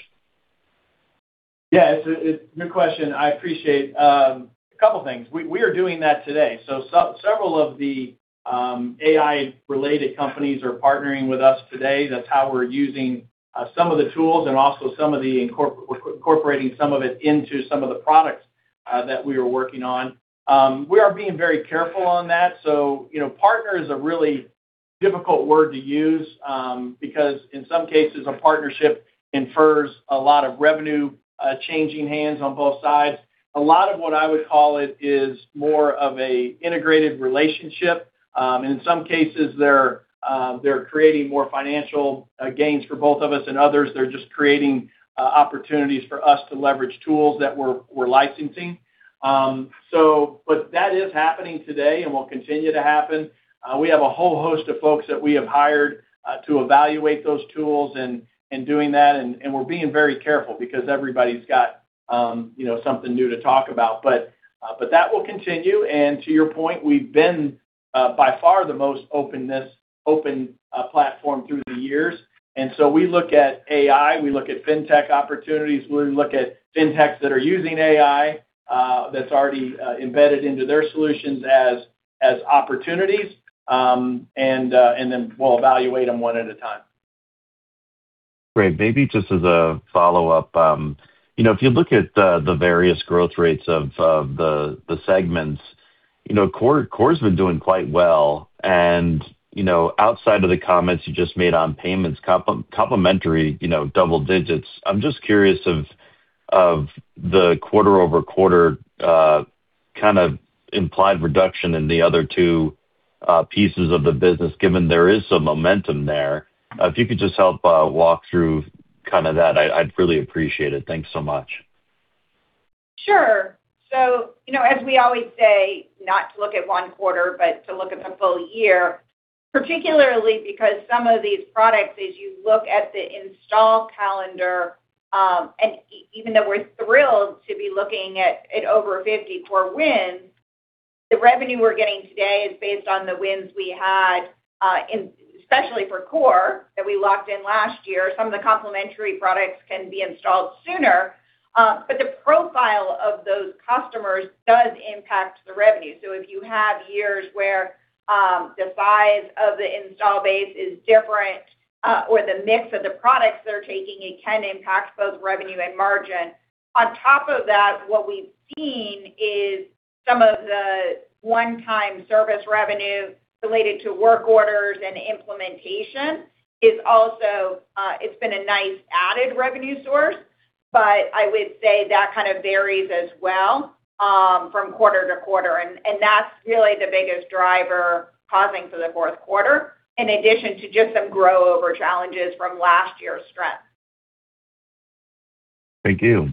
Yeah, it's a good question. I appreciate. A couple things. We are doing that today. Several of the AI-related companies are partnering with us today. That's how we're using some of the tools and also some of the we're incorporating some of it into some of the products that we are working on. We are being very careful on that. You know, partner is a really difficult word to use because in some cases, a partnership infers a lot of revenue changing hands on both sides. A lot of what I would call it is more of a integrated relationship. In some cases, they're creating more financial gains for both of us and others. They're just creating opportunities for us to leverage tools that we're licensing. That is happening today and will continue to happen. We have a whole host of folks that we have hired to evaluate those tools and doing that. We're being very careful because everybody's got, you know, something new to talk about. That will continue. To your point, we've been by far the most open platform through the years. We look at AI, we look at fintech opportunities, we look at Fintechs that are using AI that's already embedded into their solutions as opportunities. We'll evaluate them one at a time. Great. Maybe just as a follow-up, you know, if you look at the various growth rates of the segments, you know, core's been doing quite well. You know, outside of the comments you just made on payments complementary, you know, double-digits. I'm just curious of the quarter-over-quarter kind of implied reduction in the other two pieces of the business, given there is some momentum there. If you could just help walk through kind of that, I'd really appreciate it. Thanks so much. Sure. You know, as we always say, not to look at one quarter, but to look at the full year, particularly because some of these products, as you look at the install calendar, and even though we're thrilled to be looking at over 50 for wins, the revenue we're getting today is based on the wins we had, especially for core that we locked in last year. Some of the complementary products can be installed sooner. But the profile of those customers does impact the revenue. If you have years where the size of the install base is different, or the mix of the products they're taking, it can impact both revenue and margin. On top of that, what we've seen is some of the one-time service revenue related to work orders and implementation is also, it's been a nice added revenue source. I would say that kind of varies as well, from quarter-to-quarter. That's really the biggest driver causing for the fourth quarter, in addition to just some grow over challenges from last year's strength. Thank you.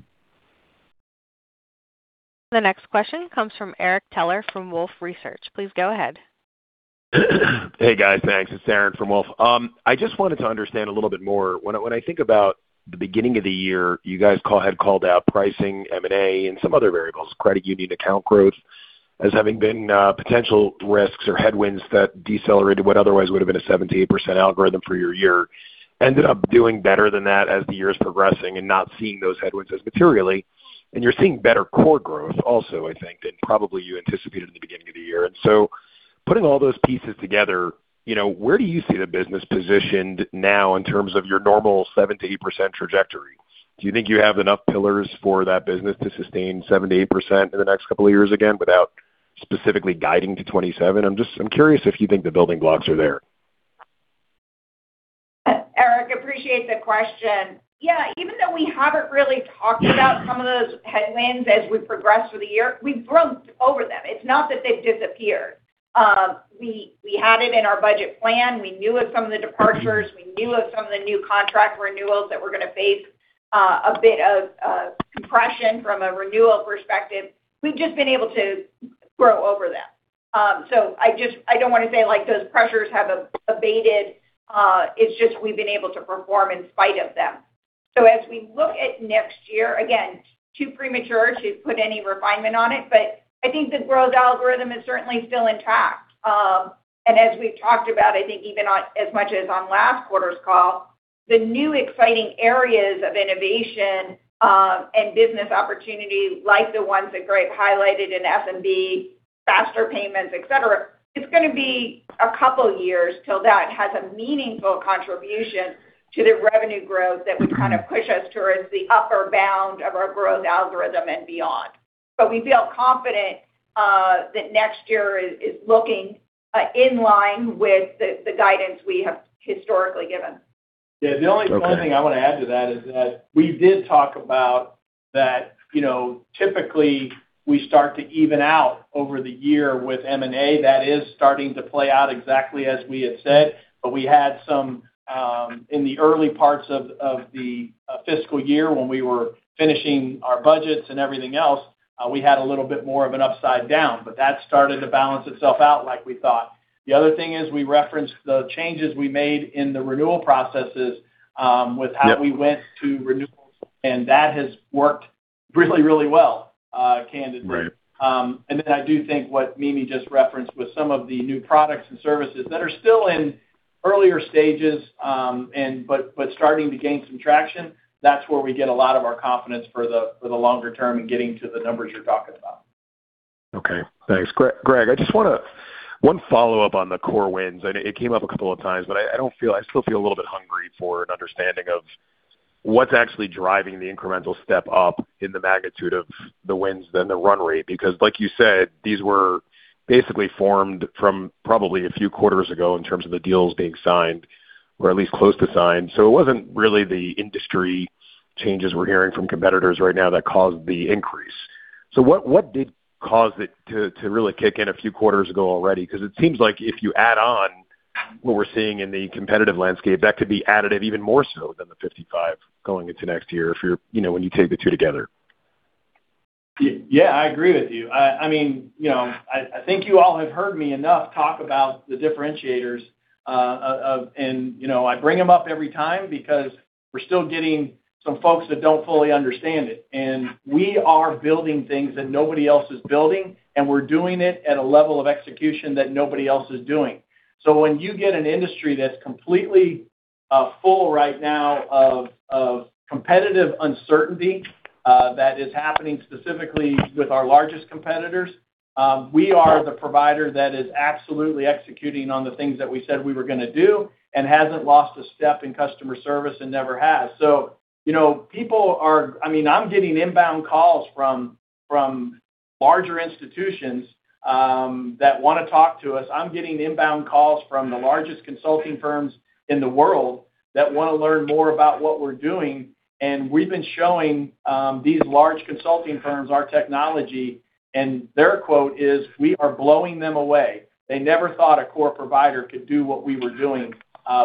The next question comes from Darrin Peller from Wolfe Research. Please go ahead. Hey, guys. Thanks. It's Darrin from Wolfe. I just wanted to understand a little bit more. When I, when I think about the beginning of the year, you guys had called out pricing, M&A, and some other variables, credit union account growth, as having been potential risks or headwinds that decelerated what otherwise would have been a 7%-8% algorithm for your year. Ended up doing better than that as the year is progressing and not seeing those headwinds as materially. You're seeing better core growth also, I think, than probably you anticipated at the beginning of the year. Putting all those pieces together, you know, where do you see the business positioned now in terms of your normal 7%-8% trajectory? Do you think you have enough pillars for that business to sustain 7%-8% in the next couple of years again, without specifically guiding to 2027? I'm just curious if you think the building blocks are there. [Darrin], appreciate the question. Yeah, that we haven't really talked about some of those headwinds as we progress through the year. We've grown over them. It's not that they've disappeared. We, we had it in our budget plan. We knew of some of the departures. We knew of some of the new contract renewals that were gonna face a bit of compression from a renewal perspective. We've just been able to grow over them. I don't wanna say, like, those pressures have abated. It's just we've been able to perform in spite of them. As we look at next year, again, too premature to put any refinement on it, but I think the growth algorithm is certainly still intact. As we've talked about, I think even on as much as on last quarter's call, the new exciting areas of innovation, and business opportunity, like the ones that Greg highlighted in SMB, faster payments, et cetera, it's gonna be a couple of years till that has a meaningful contribution to the revenue growth that would kind of push us towards the upper bound of our growth algorithm and beyond. We feel confident that next year is looking in line with the guidance we have historically given. Yeah. The only one thing I wanna add to that is that we did talk about that, you know, typically we start to even out over the year with M&A. That is starting to play out exactly as we had said. We had some in the early parts of the fiscal year when we were finishing our budgets and everything else, we had a little bit more of an upside down, but that started to balance itself out like we thought. The other thing is we referenced the changes we made in the renewal processes- Yep. with how we went to renewals, and that has worked really, really well, candidly. Right. I do think what Mimi just referenced with some of the new products and services that are still in earlier stages, but starting to gain some traction, that's where we get a lot of our confidence for the longer term in getting to the numbers you're talking about. Okay. Thanks. Greg, I just want one follow-up on the core wins. It came up a couple of times, I still feel a little bit hungry for an understanding of what's actually driving the incremental step up in the magnitude of the wins, then the run rate. Like you said, these were basically formed from probably a few quarters ago in terms of the deals being signed or at least close to signed. It wasn't really the industry changes we're hearing from competitors right now that caused the increase. What did cause it to really kick in a few quarters ago already? Because it seems like if you add on what we're seeing in the competitive landscape, that could be additive even more so than the 55 going into next year, you know, when you take the two together. Yeah, I agree with you. I mean, you know, I think you all have heard me enough talk about the differentiators of, you know, I bring them up every time because we're still getting some folks that don't fully understand it. We are building things that nobody else is building, and we're doing it at a level of execution that nobody else is doing. When you get an industry that's completely full right now of competitive uncertainty that is happening specifically with our largest competitors, we are the provider that is absolutely executing on the things that we said we were gonna do and hasn't lost a step in customer service and never has. You know, I mean, I'm getting inbound calls from larger institutions that wanna talk to us. I'm getting inbound calls from the largest consulting firms in the world that wanna learn more about what we're doing. We've been showing these large consulting firms our technology, and their quote is, "We are blowing them away." They never thought a core provider could do what we were doing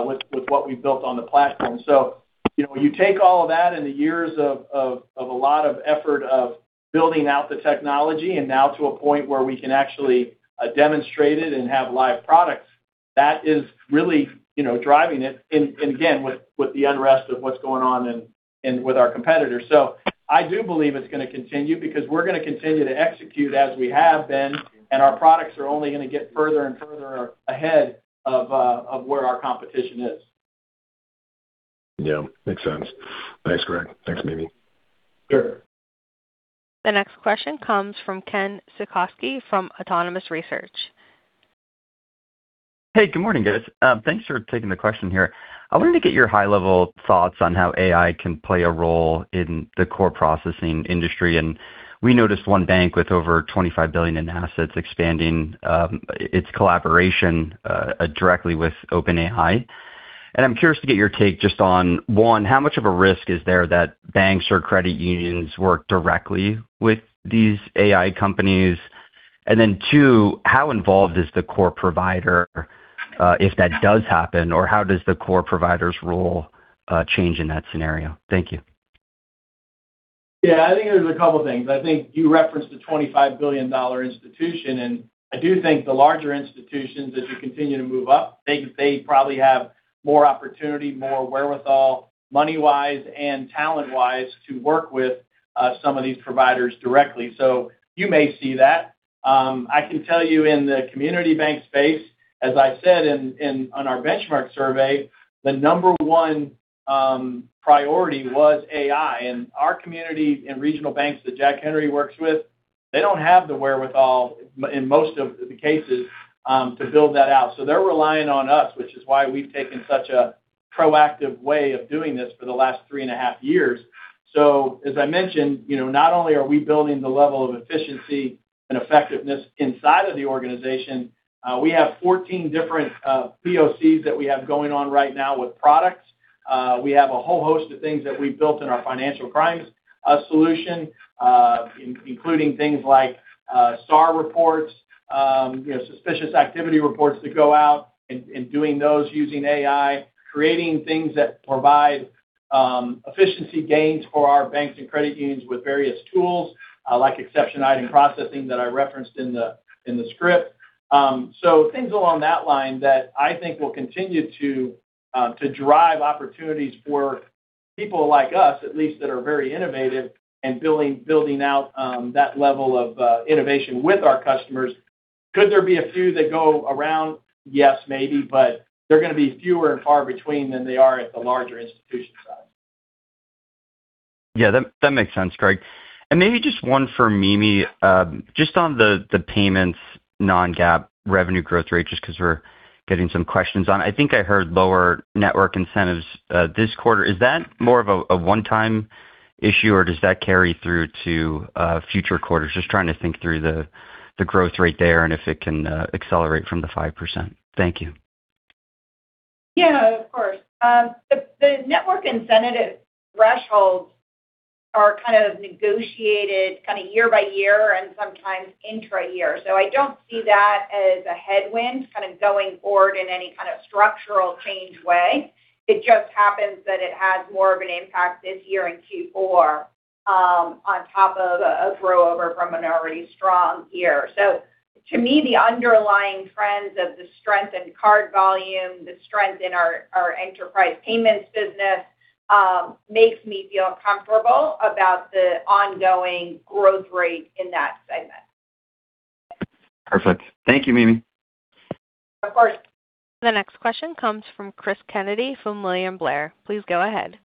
with what we built on the platform. You know, when you take all of that and the years of a lot of effort of building out the technology and now to a point where we can actually demonstrate it and have live products, that is really, you know, driving it. Again, with the unrest of what's going on with our competitors. I do believe it's gonna continue because we're gonna continue to execute as we have been, and our products are only gonna get further and further ahead of where our competition is. Yeah. Makes sense. Thanks, Greg. Thanks, Mimi. Sure. The next question comes from Ken Suchoski from Autonomous Research. Hey, good morning, guys. Thanks for taking the question here. I wanted to get your high-level thoughts on how AI can play a role in the core processing industry. We noticed one bank with over $25 billion in assets expanding its collaboration directly with OpenAI. I'm curious to get your take just on, one, how much of a risk is there that banks or credit unions work directly with these AI companies? Two, how involved is the core provider if that does happen, or how does the core provider's role change in that scenario? Thank you. Yeah. I think there's a couple things. I think you referenced the $25 billion institution, and I do think the larger institutions, as you continue to move up, they probably have more opportunity, more wherewithal, money-wise and talent-wise, to work with some of these providers directly. You may see that. I can tell you in the community bank space, as I said on our benchmark survey, the number one priority was AI. Our community and regional banks that Jack Henry works with, they don't have the wherewithal in most of the cases to build that out. They're relying on us, which is why we've taken such a proactive way of doing this for the last three and a half years. As I mentioned, you know, not only are we building the level of efficiency and effectiveness inside of the organization, we have 14 different POCs that we have going on right now with products. We have a whole host of things that we've built in our financial crimes solution, including things like SAR reports, you know, suspicious activity reports that go out and doing those using AI. Creating things that provide efficiency gains for our banks and credit unions with various tools, like exception item processing that I referenced in the script. Things along that line that I think will continue to drive opportunities for people like us, at least that are very innovative and building out that level of innovation with our customers. Could there be a few that go around? Yes, maybe, but they're gonna be fewer and far between than they are at the larger institution side. Yeah, that makes sense, Greg. Maybe just one for Mimi, just on the payments non-GAAP revenue growth rate, just because we're getting some questions on. I think I heard lower network incentives this quarter. Is that more of a one-time issue, or does that carry through to future quarters? Just trying to think through the growth rate there and if it can accelerate from the 5%. Thank you. Yeah, of course. The network incentive thresholds are kind of negotiated kind of year-by-year and sometimes intra-year. I don't see that as a headwind kind of going forward in any kind of structural change way. It just happens that it has more of an impact this year in Q4 on top of a throwover from an already strong year. To me, the underlying trends of the strength in card volume, the strength in our enterprise payments business makes me feel comfortable about the ongoing growth rate in that segment. Perfect. Thank you, Mimi. Of course. The next question comes from Cris Kennedy from William Blair. Please go ahead.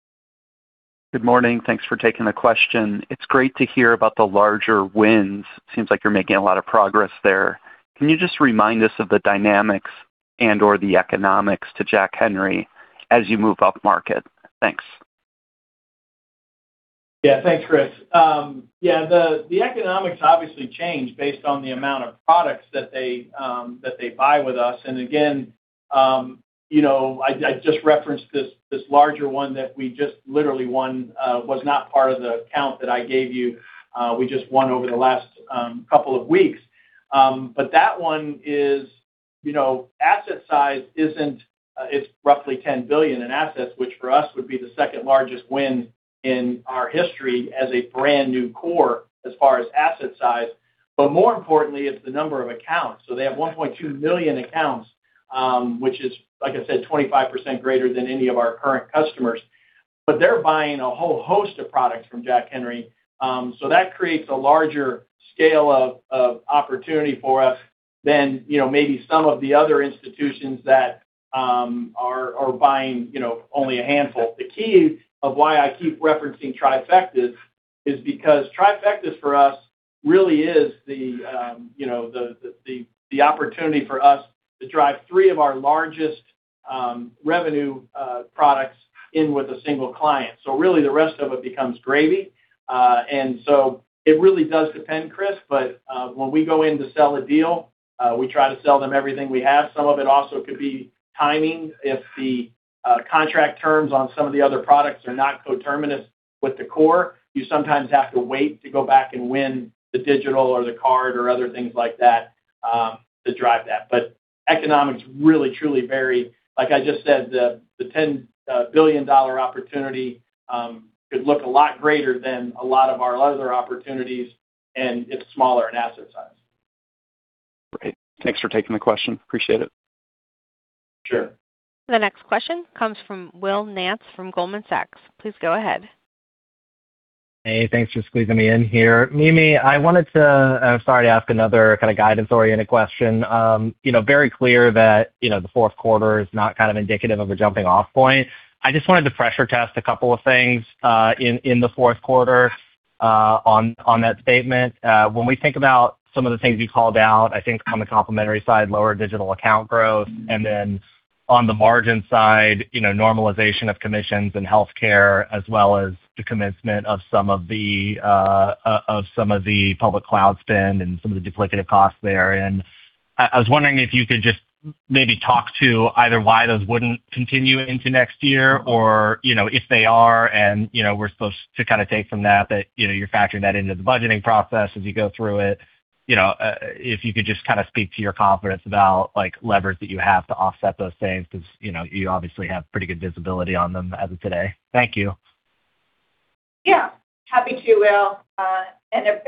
Good morning. Thanks for taking the question. It's great to hear about the larger wins. Seems like you're making a lot of progress there. Can you just remind us of the dynamics and/or the economics to Jack Henry as you move up market? Thanks. Thanks, Cris. The economics obviously change based on the amount of products that they buy with us. Again, you know, I just referenced this larger one that we just literally won, was not part of the count that I gave you, we just won over the last couple of weeks. That one is, you know, asset size isn't, it's roughly $10 billion in assets, which for us would be the second-largest win in our history as a brand-new core as far as asset size. More importantly, it's the number of accounts. They have 1.2 million accounts, which is, like I said, 25% greater than any of our current customers. They're buying a whole host of products from Jack Henry, so that creates a larger scale of opportunity for us than, you know, maybe some of the other institutions that are buying, you know, only a handful. The key of why I keep referencing trifecta is because trifecta for us really is the, you know, the opportunity for us to drive three of our largest revenue products in with a single client. Really the rest of it becomes gravy. It really does depend, Cris, but when we go in to sell a deal, we try to sell them everything we have. Some of it also could be timing. If the contract terms on some of the other products are not coterminous with the core, you sometimes have to wait to go back and win the digital or the card or other things like that to drive that. Economics really truly vary. Like I just said, the $10 billion opportunity could look a lot greater than a lot of our other opportunities, and it's smaller in asset size. Great. Thanks for taking the question. Appreciate it. Sure. The next question comes from Will Nance from Goldman Sachs. Please go ahead. Hey, thanks for squeezing me in here. Mimi, I wanted to ask another kind of guidance-oriented question. You know, very clear that, you know, the fourth quarter is not kind of indicative of a jumping-off point. I just wanted to pressure test a couple of things in the fourth quarter on that statement. When we think about some of the things you called out, I think on the complementary side, lower digital account growth, and then on the margin side, you know, normalization of commissions and healthcare as well as the commencement of some of the of some of the public cloud spend and some of the duplicative costs there. I was wondering if you could just maybe talk to either why those wouldn't continue into next year or, you know, if they are and, you know, we're supposed to kind of take from that, you know, you're factoring that into the budgeting process as you go through it. You know, if you could just kind of speak to your confidence about, like, levers that you have to offset those things because, you know, you obviously have pretty good visibility on them as of today. Thank you. Yeah. Happy to, Will.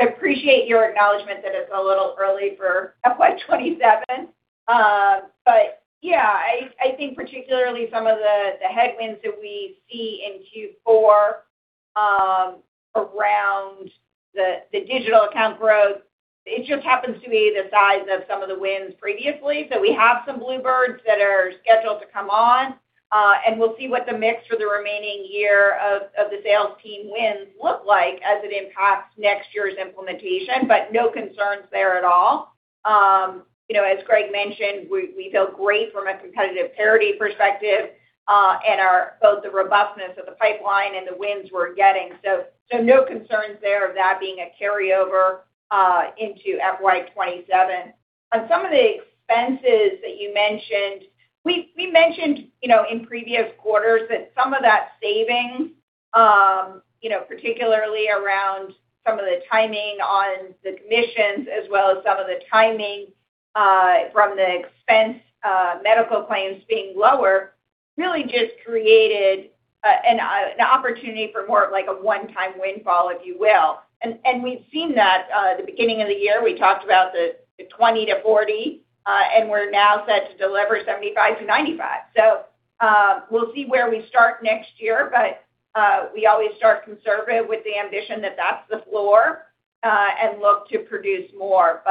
Appreciate your acknowledgement that it's a little early for FY 2027. Yeah, I think particularly some of the headwinds that we see in Q4, around the digital account growth, it just happens to be the size of some of the wins previously. We have some bluebirds that are scheduled to come on, and we'll see what the mix for the remaining year of the sales team wins look like as it impacts next year's implementation. No concerns there at all. You know, as Greg mentioned, we feel great from a competitive parity perspective, and our both the robustness of the pipeline and the wins we're getting. No concerns there of that being a carryover into FY 2027. On some of the expenses that you mentioned, we mentioned, you know, in previous quarters that some of that savings, you know, particularly around some of the timing on the commissions as well as some of the timing from the expense, medical claims being lower, really just created an opportunity for more of like a one-time windfall, if you will. We've seen that the beginning of the year, we talked about the 20-40, and we're now set to deliver 75-95. We'll see where we start next year. We always start conservative with the ambition that that's the floor, and look to produce more.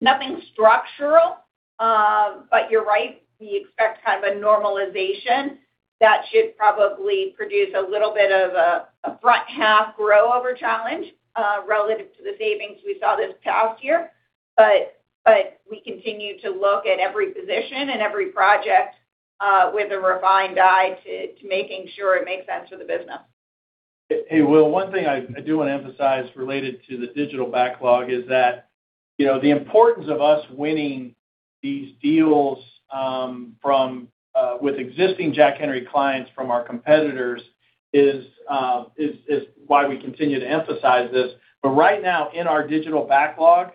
Nothing structural, but you're right, we expect kind of a normalization that should probably produce a little bit of a front half grow over challenge relative to the savings we saw this past year. We continue to look at every position and every project with a refined eye to making sure it makes sense for the business. Hey, Will, one thing I do want to emphasize related to the digital backlog is that, you know, the importance of us winning these deals from with existing Jack Henry clients from our competitors is why we continue to emphasize this. Right now in our digital backlog,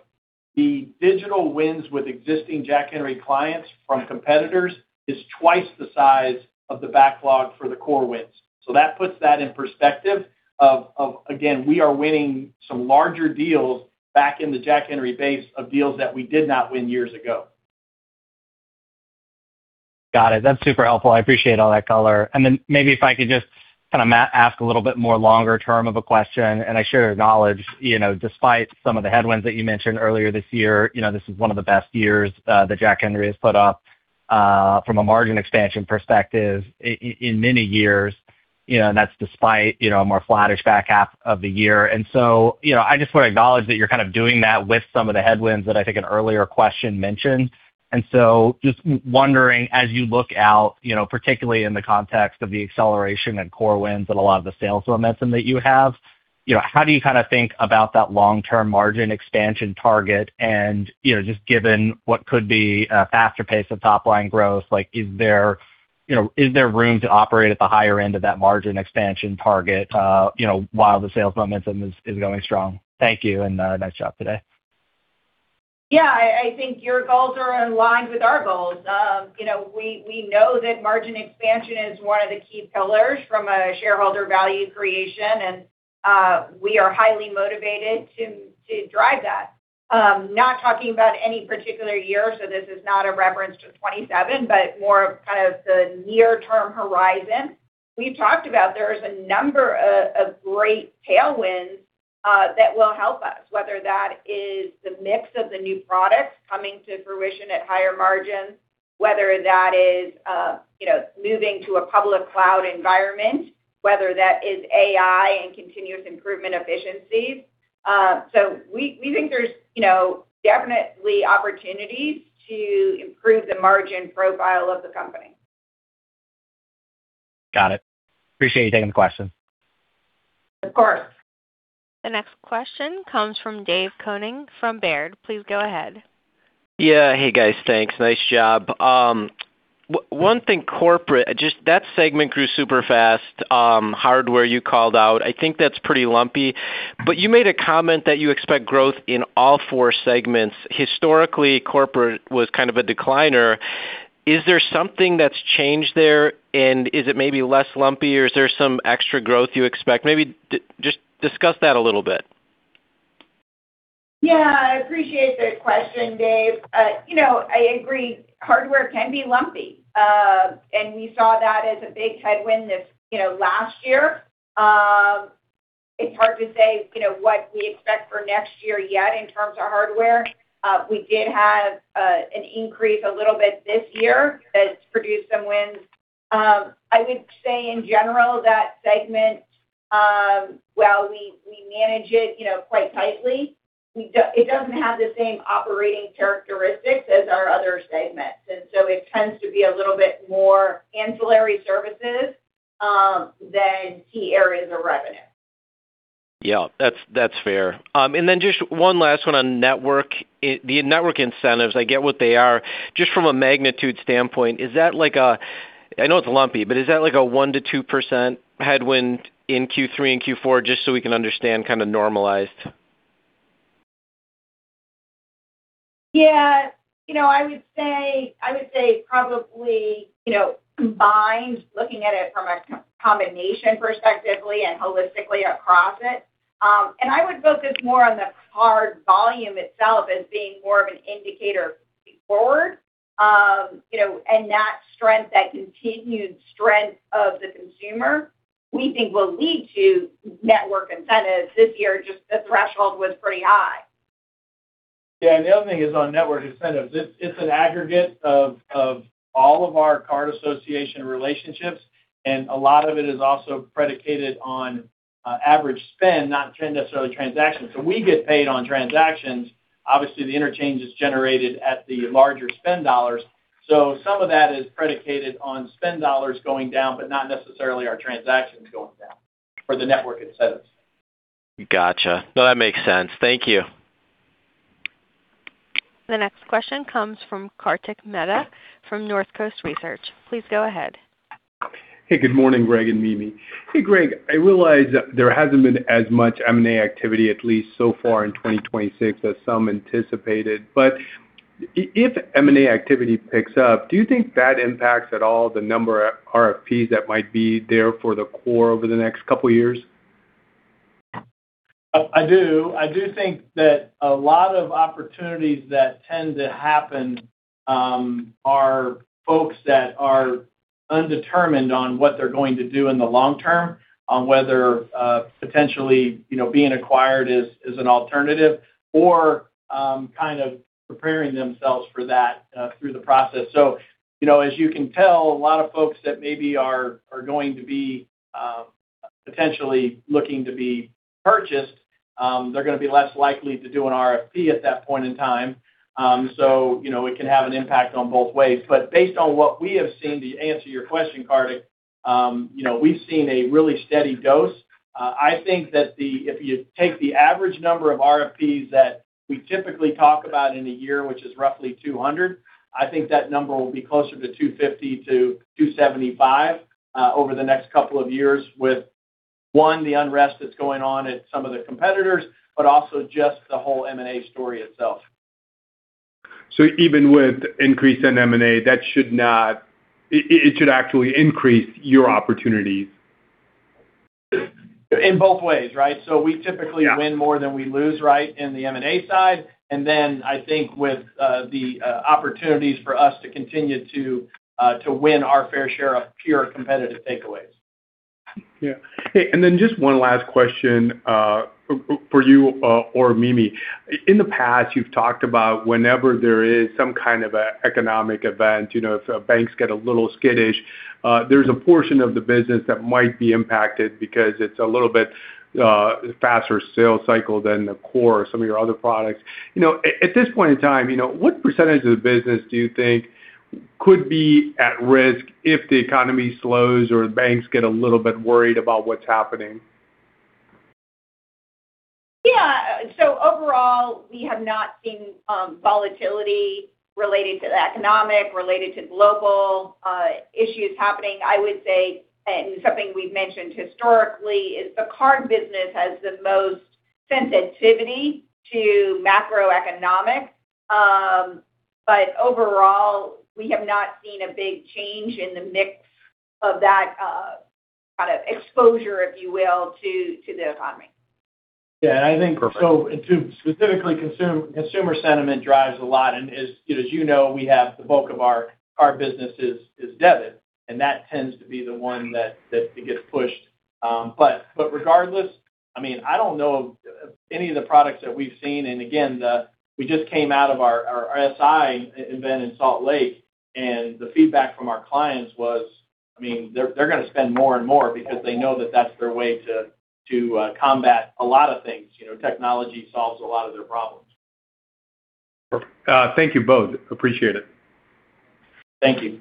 the digital wins with existing Jack Henry clients from competitors is twice the size of the backlog for the core wins. That puts that in perspective of again, we are winning some larger deals back in the Jack Henry base of deals that we did not win years ago. Got it. That's super helpful. I appreciate all that color. Maybe if I could just ask a little bit more longer term of a question, and I share your knowledge, you know, despite some of the headwinds that you mentioned earlier this year, you know, this is one of the best years that Jack Henry has put up from a margin expansion perspective in many years, you know, and that's despite, you know, a more flattish back half of the year. I just wanna acknowledge that you're kind of doing that with some of the headwinds that I think an earlier question mentioned. Just wondering, as you look out, you know, particularly in the context of the acceleration and core wins and a lot of the sales momentum that you have, you know, how do you kind of think about that long-term margin expansion target? You know, just given what could be a faster pace of top-line growth, like is there, you know, is there room to operate at the higher end of that margin expansion target, you know, while the sales momentum is going strong? Thank you, and nice job today. Yeah. I think your goals are in line with our goals. You know, we know that margin expansion is one of the key pillars from a shareholder value creation, and we are highly motivated to drive that. Not talking about any particular year, so this is not a reference to 2027, but more of kind of the near-term horizon. We've talked about there is a number of great tailwinds that will help us, whether that is the mix of the new products coming to fruition at higher margins, whether that is, you know, moving to a public cloud environment, whether that is AI and continuous improvement efficiencies. We think there's, you know, definitely opportunities to improve the margin profile of the company. Got it. Appreciate you taking the question. Of course. The next question comes from Dave Koning from Baird. Please go ahead. Yeah. Hey, guys. Thanks. Nice job. One thing corporate, just that segment grew super fast. Hardware you called out, I think that's pretty lumpy. You made a comment that you expect growth in all four segments. Historically, corporate was kind of a decliner. Is there something that's changed there, and is it maybe less lumpy or is there some extra growth you expect? Maybe just discuss that a little bit. Yeah. I appreciate the question, Dave. You know, I agree, hardware can be lumpy. We saw that as a big headwind this, you know, last year. It's hard to say, you know, what we expect for next year yet in terms of hardware. We did have an increase a little bit this year that's produced some wins. I would say in general that segment, while we manage it, you know, quite tightly, it doesn't have the same operating characteristics as our other segments. It tends to be a little bit more ancillary services than key areas of revenue. Yeah. That's, that's fair. Just one last one on network. The network incentives, I get what they are. Just from a magnitude standpoint, I know it's lumpy, but is that like a 1%-2% headwind in Q3 and Q4, just so we can understand kind of normalized? Yeah. You know, I would say probably, you know, combined, looking at it from a combination perspectively and holistically across it, I would focus more on the card volume itself as being more of an indicator forward. You know, that strength, that continued strength of the consumer, we think will lead to network incentives. This year, just the threshold was pretty high. Yeah. The other thing is on network incentives. It's an aggregate of all of our card association relationships, and a lot of it is also predicated on average spend, not necessarily transactions. We get paid on transactions. Obviously, the interchange is generated at the larger spend dollars. Some of that is predicated on spend dollars going down, but not necessarily our transactions going down. For the network incentives. Got you. No, that makes sense. Thank you. The next question comes from Kartik Mehta from Northcoast Research. Please go ahead. Hey, good morning, Greg and Mimi. Hey, Greg, I realize there hasn't been as much M&A activity, at least so far in 2026 as some anticipated. If M&A activity picks up, do you think that impacts at all the number of RFPs that might be there for the core over the next couple of years? I do. I do think that a lot of opportunities that tend to happen are folks that are undetermined on what they're going to do in the long term on whether potentially being acquired is an alternative or kind of preparing themselves for that through the process. As you can tell, a lot of folks that maybe are going to be potentially looking to be purchased, they're gonna be less likely to do an RFP at that point in time. It can have an impact on both ways. Based on what we have seen, to answer your question, Kartik, we've seen a really steady dose. I think that if you take the average number of RFPs that we typically talk about in a year, which is roughly 200, I think that number will be closer to 250-275 over the next couple of years with, one, the unrest that's going on at some of the competitors, but also just the whole M&A story itself. Even with increased in M&A, it should actually increase your opportunities. In both ways, right? Yeah. We typically win more than we lose, right, in the M&A side. I think with the opportunities for us to continue to win our fair share of pure competitive takeaways. Hey, then just one last question for you or Mimi. In the past, you've talked about whenever there is some kind of a economic event, you know, if banks get a little skittish, there's a portion of the business that might be impacted because it's a little bit faster sales cycle than the core or some of your other products. You know, at this point in time, you know, what percentage of the business do you think could be at risk if the economy slows or banks get a little bit worried about what's happening? Yeah, overall, we have not seen volatility related to the economic, related to global, issues happening. I would say, and something we've mentioned historically is the card business has the most sensitivity to macroeconomic. Overall, we have not seen a big change in the mix of that kind of exposure, if you will, to the economy. Yeah. Perfect. Consumer sentiment drives a lot. As you know, we have the bulk of our business is debit, and that tends to be the one that gets pushed. But regardless, I mean, I don't know any of the products that we've seen, and again, the we just came out of our SI event in Salt Lake, and the feedback from our clients was, I mean, they're gonna spend more and more because they know that that's their way to combat a lot of things. You know, technology solves a lot of their problems. Thank you both. Appreciate it. Thank you.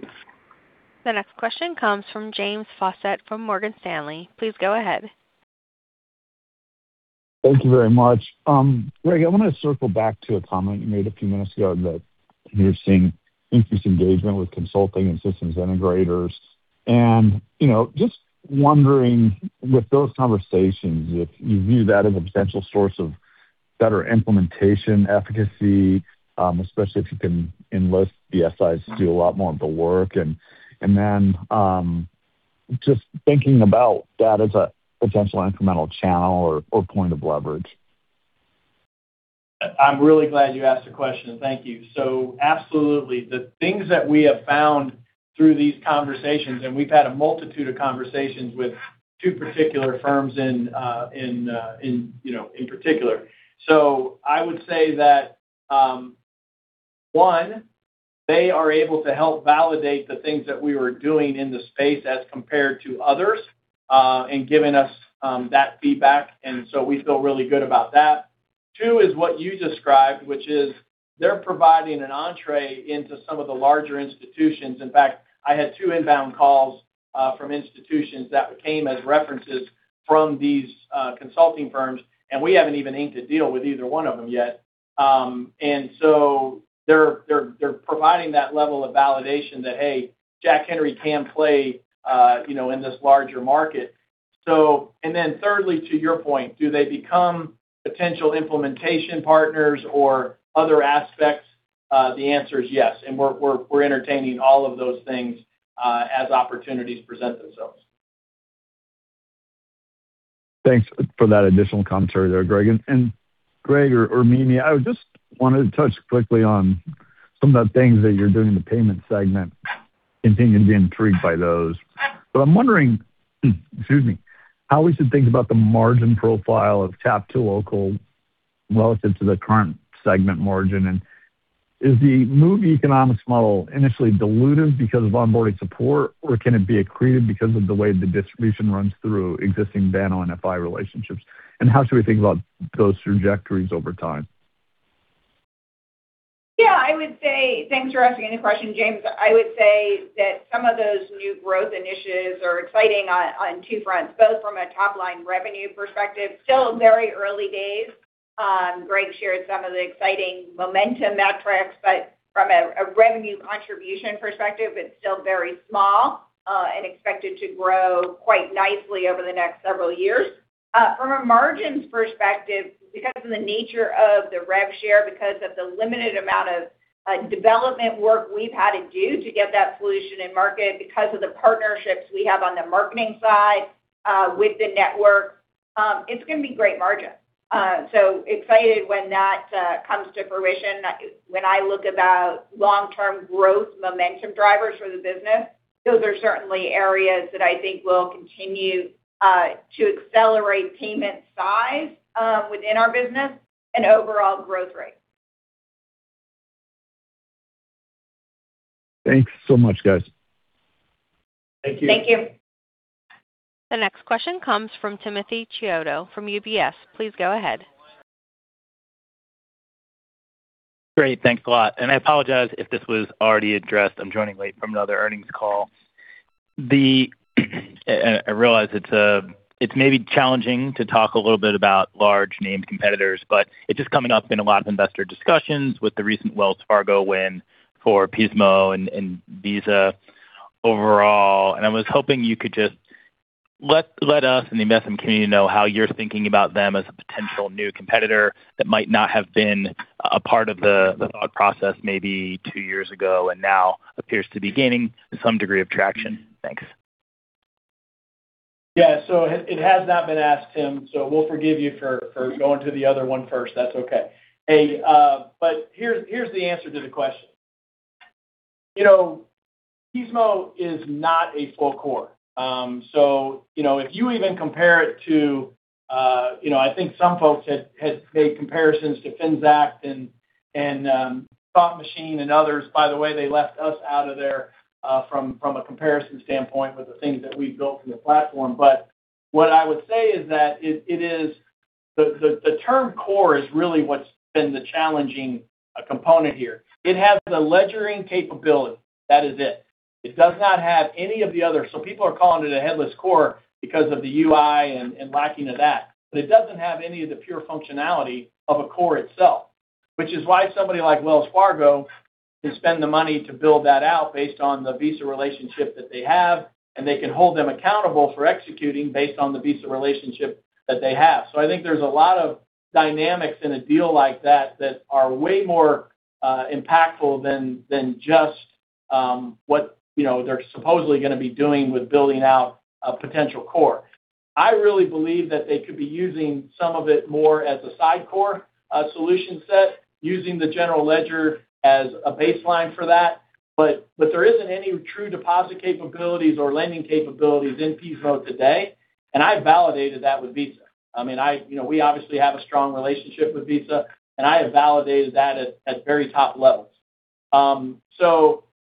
The next question comes from James Faucette from Morgan Stanley. Please go ahead. Thank you very much. Greg, I want to circle back to a comment you made a few minutes ago that you're seeing increased engagement with consulting and systems integrators. You know, just wondering with those conversations, if you view that as a potential source of better implementation efficacy, especially if you can enlist the SIs to do a lot more of the work. Then, just thinking about that as a potential incremental channel or point of leverage. I'm really glad you asked the question. Thank you. Absolutely. The things that we have found through these conversations, and we've had a multitude of conversations with two particular firms in, in, you know, in particular. I would say that, one, they are able to help validate the things that we were doing in the space as compared to others, and giving us, that feedback. We feel really good about that. Two is what you described, which is they're providing an entree into some of the larger institutions. In fact, I had two inbound calls, from institutions that came as references from these, consulting firms, and we haven't even inked a deal with either one of them yet. They're providing that level of validation that, hey, Jack Henry can play, you know, in this larger market. Thirdly, to your point, do they become potential implementation partners or other aspects? The answer is yes. We're entertaining all of those things as opportunities present themselves. Thanks for that additional commentary there, Greg. Greg or Mimi, I just wanted to touch quickly on some of the things that you're doing in the payment segment. Continue to be intrigued by those. I'm wondering, excuse me, how we should think about the margin profile of Tap2Local relative to the current segment margin. Is the move economics model initially dilutive because of onboarding support, or can it be accretive because of the way the distribution runs through existing Banno and FI relationships? How should we think about those trajectories over time? Thanks for asking the question, James. I would say that some of those new growth initiatives are exciting on two fronts, both from a top-line revenue perspective, still very early days. Greg shared some of the exciting momentum metrics, from a revenue contribution perspective, it's still very small, and expected to grow quite nicely over the next several years. From a margins perspective, because of the nature of the rev share, because of the limited amount of development work we've had to do to get that solution in market, because of the partnerships we have on the marketing side, with the network, it's gonna be great margin. Excited when that comes to fruition. When I look about long-term growth momentum drivers for the business, those are certainly areas that I think will continue to accelerate payment size within our business and overall growth rate. Thanks so much, guys. Thank you. Thank you. The next question comes from Timothy Chiodo from UBS. Please go ahead. Great. Thanks a lot. I apologize if this was already addressed. I'm joining late from another earnings call. I realize it's maybe challenging to talk a little bit about large name competitors, but it's just coming up in a lot of investor discussions with the recent Wells Fargo win for Pismo and Visa overall. I was hoping you could just let us in the investment community know how you're thinking about them as a potential new competitor that might not have been a part of the thought process maybe two years ago and now appears to be gaining some degree of traction. Thanks. Yeah. It has not been asked, Tim, we'll forgive you for going to the other one first. That's okay. Hey, here's the answer to the question. You know, Pismo is not a full core. You know, if you even compare it to, I think some folks had made comparisons to Finxact and Thought Machine and others. By the way, they left us out of there from a comparison standpoint with the things that we've built in the platform. What I would say is that it is the term core is really what's been the challenging component here. It has the ledgering capability. That is it. It does not have any of the other. People are calling it a headless core because of the UI and lacking of that. It doesn't have any of the pure functionality of a core itself, which is why somebody like Wells Fargo can spend the money to build that out based on the Visa relationship that they have, and they can hold them accountable for executing based on the Visa relationship that they have. I think there's a lot of dynamics in a deal like that that are way more impactful than just what, you know, they're supposedly gonna be doing with building out a potential core. I really believe that they could be using some of it more as a side core solution set, using the general ledger as a baseline for that. There isn't any true deposit capabilities or lending capabilities in Pismo today. I validated that with Visa. I mean, you know, we obviously have a strong relationship with Visa, and I have validated that at very top levels.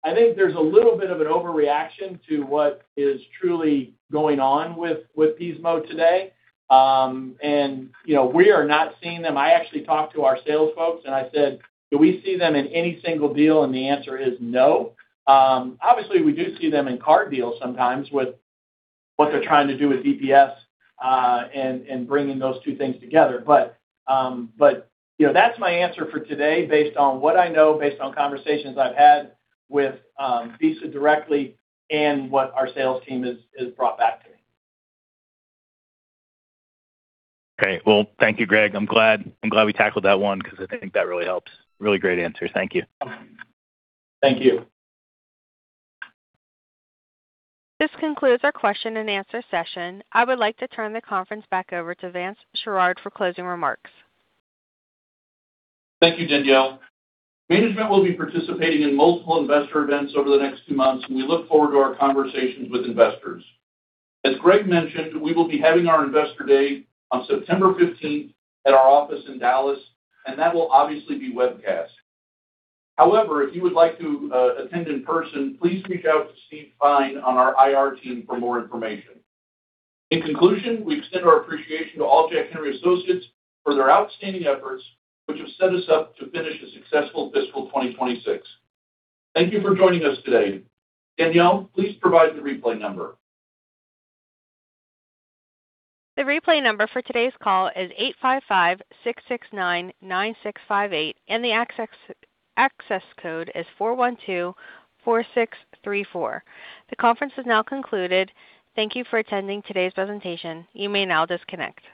I think there's a little bit of an overreaction to what is truly going on with Pismo today. You know, we are not seeing them. I actually talked to our sales folks and I said, "Do we see them in any single deal?" The answer is no. Obviously, we do see them in card deals sometimes with what they're trying to do with DPS, and bringing those two things together. You know, that's my answer for today based on what I know, based on conversations I've had with Visa directly and what our sales team has brought back to me. Okay. Well, thank you, Greg. I'm glad we tackled that one because I think that really helps. Really great answer. Thank you. Thank you. This concludes our question-and-answer session. I would like to turn the conference back over to Vance Sherard for closing remarks. Thank you, Danielle. Management will be participating in multiple investor events over the next two months, and we look forward to our conversations with investors. As Greg mentioned, we will be having our Investor Day on September 15th at our office in Dallas, and that will obviously be webcast. However, if you would like to attend in person, please reach out to Steve Fine on our IR team for more information. In conclusion, we extend our appreciation to all Jack Henry associates for their outstanding efforts, which have set us up to finish a successful fiscal 2026. Thank you for joining us today. Danielle, please provide the replay number. The replay number for today's call is 855-669-9658. The access code is 4124634. The conference is now concluded. Thank you for attending today's presentation. You may now disconnect.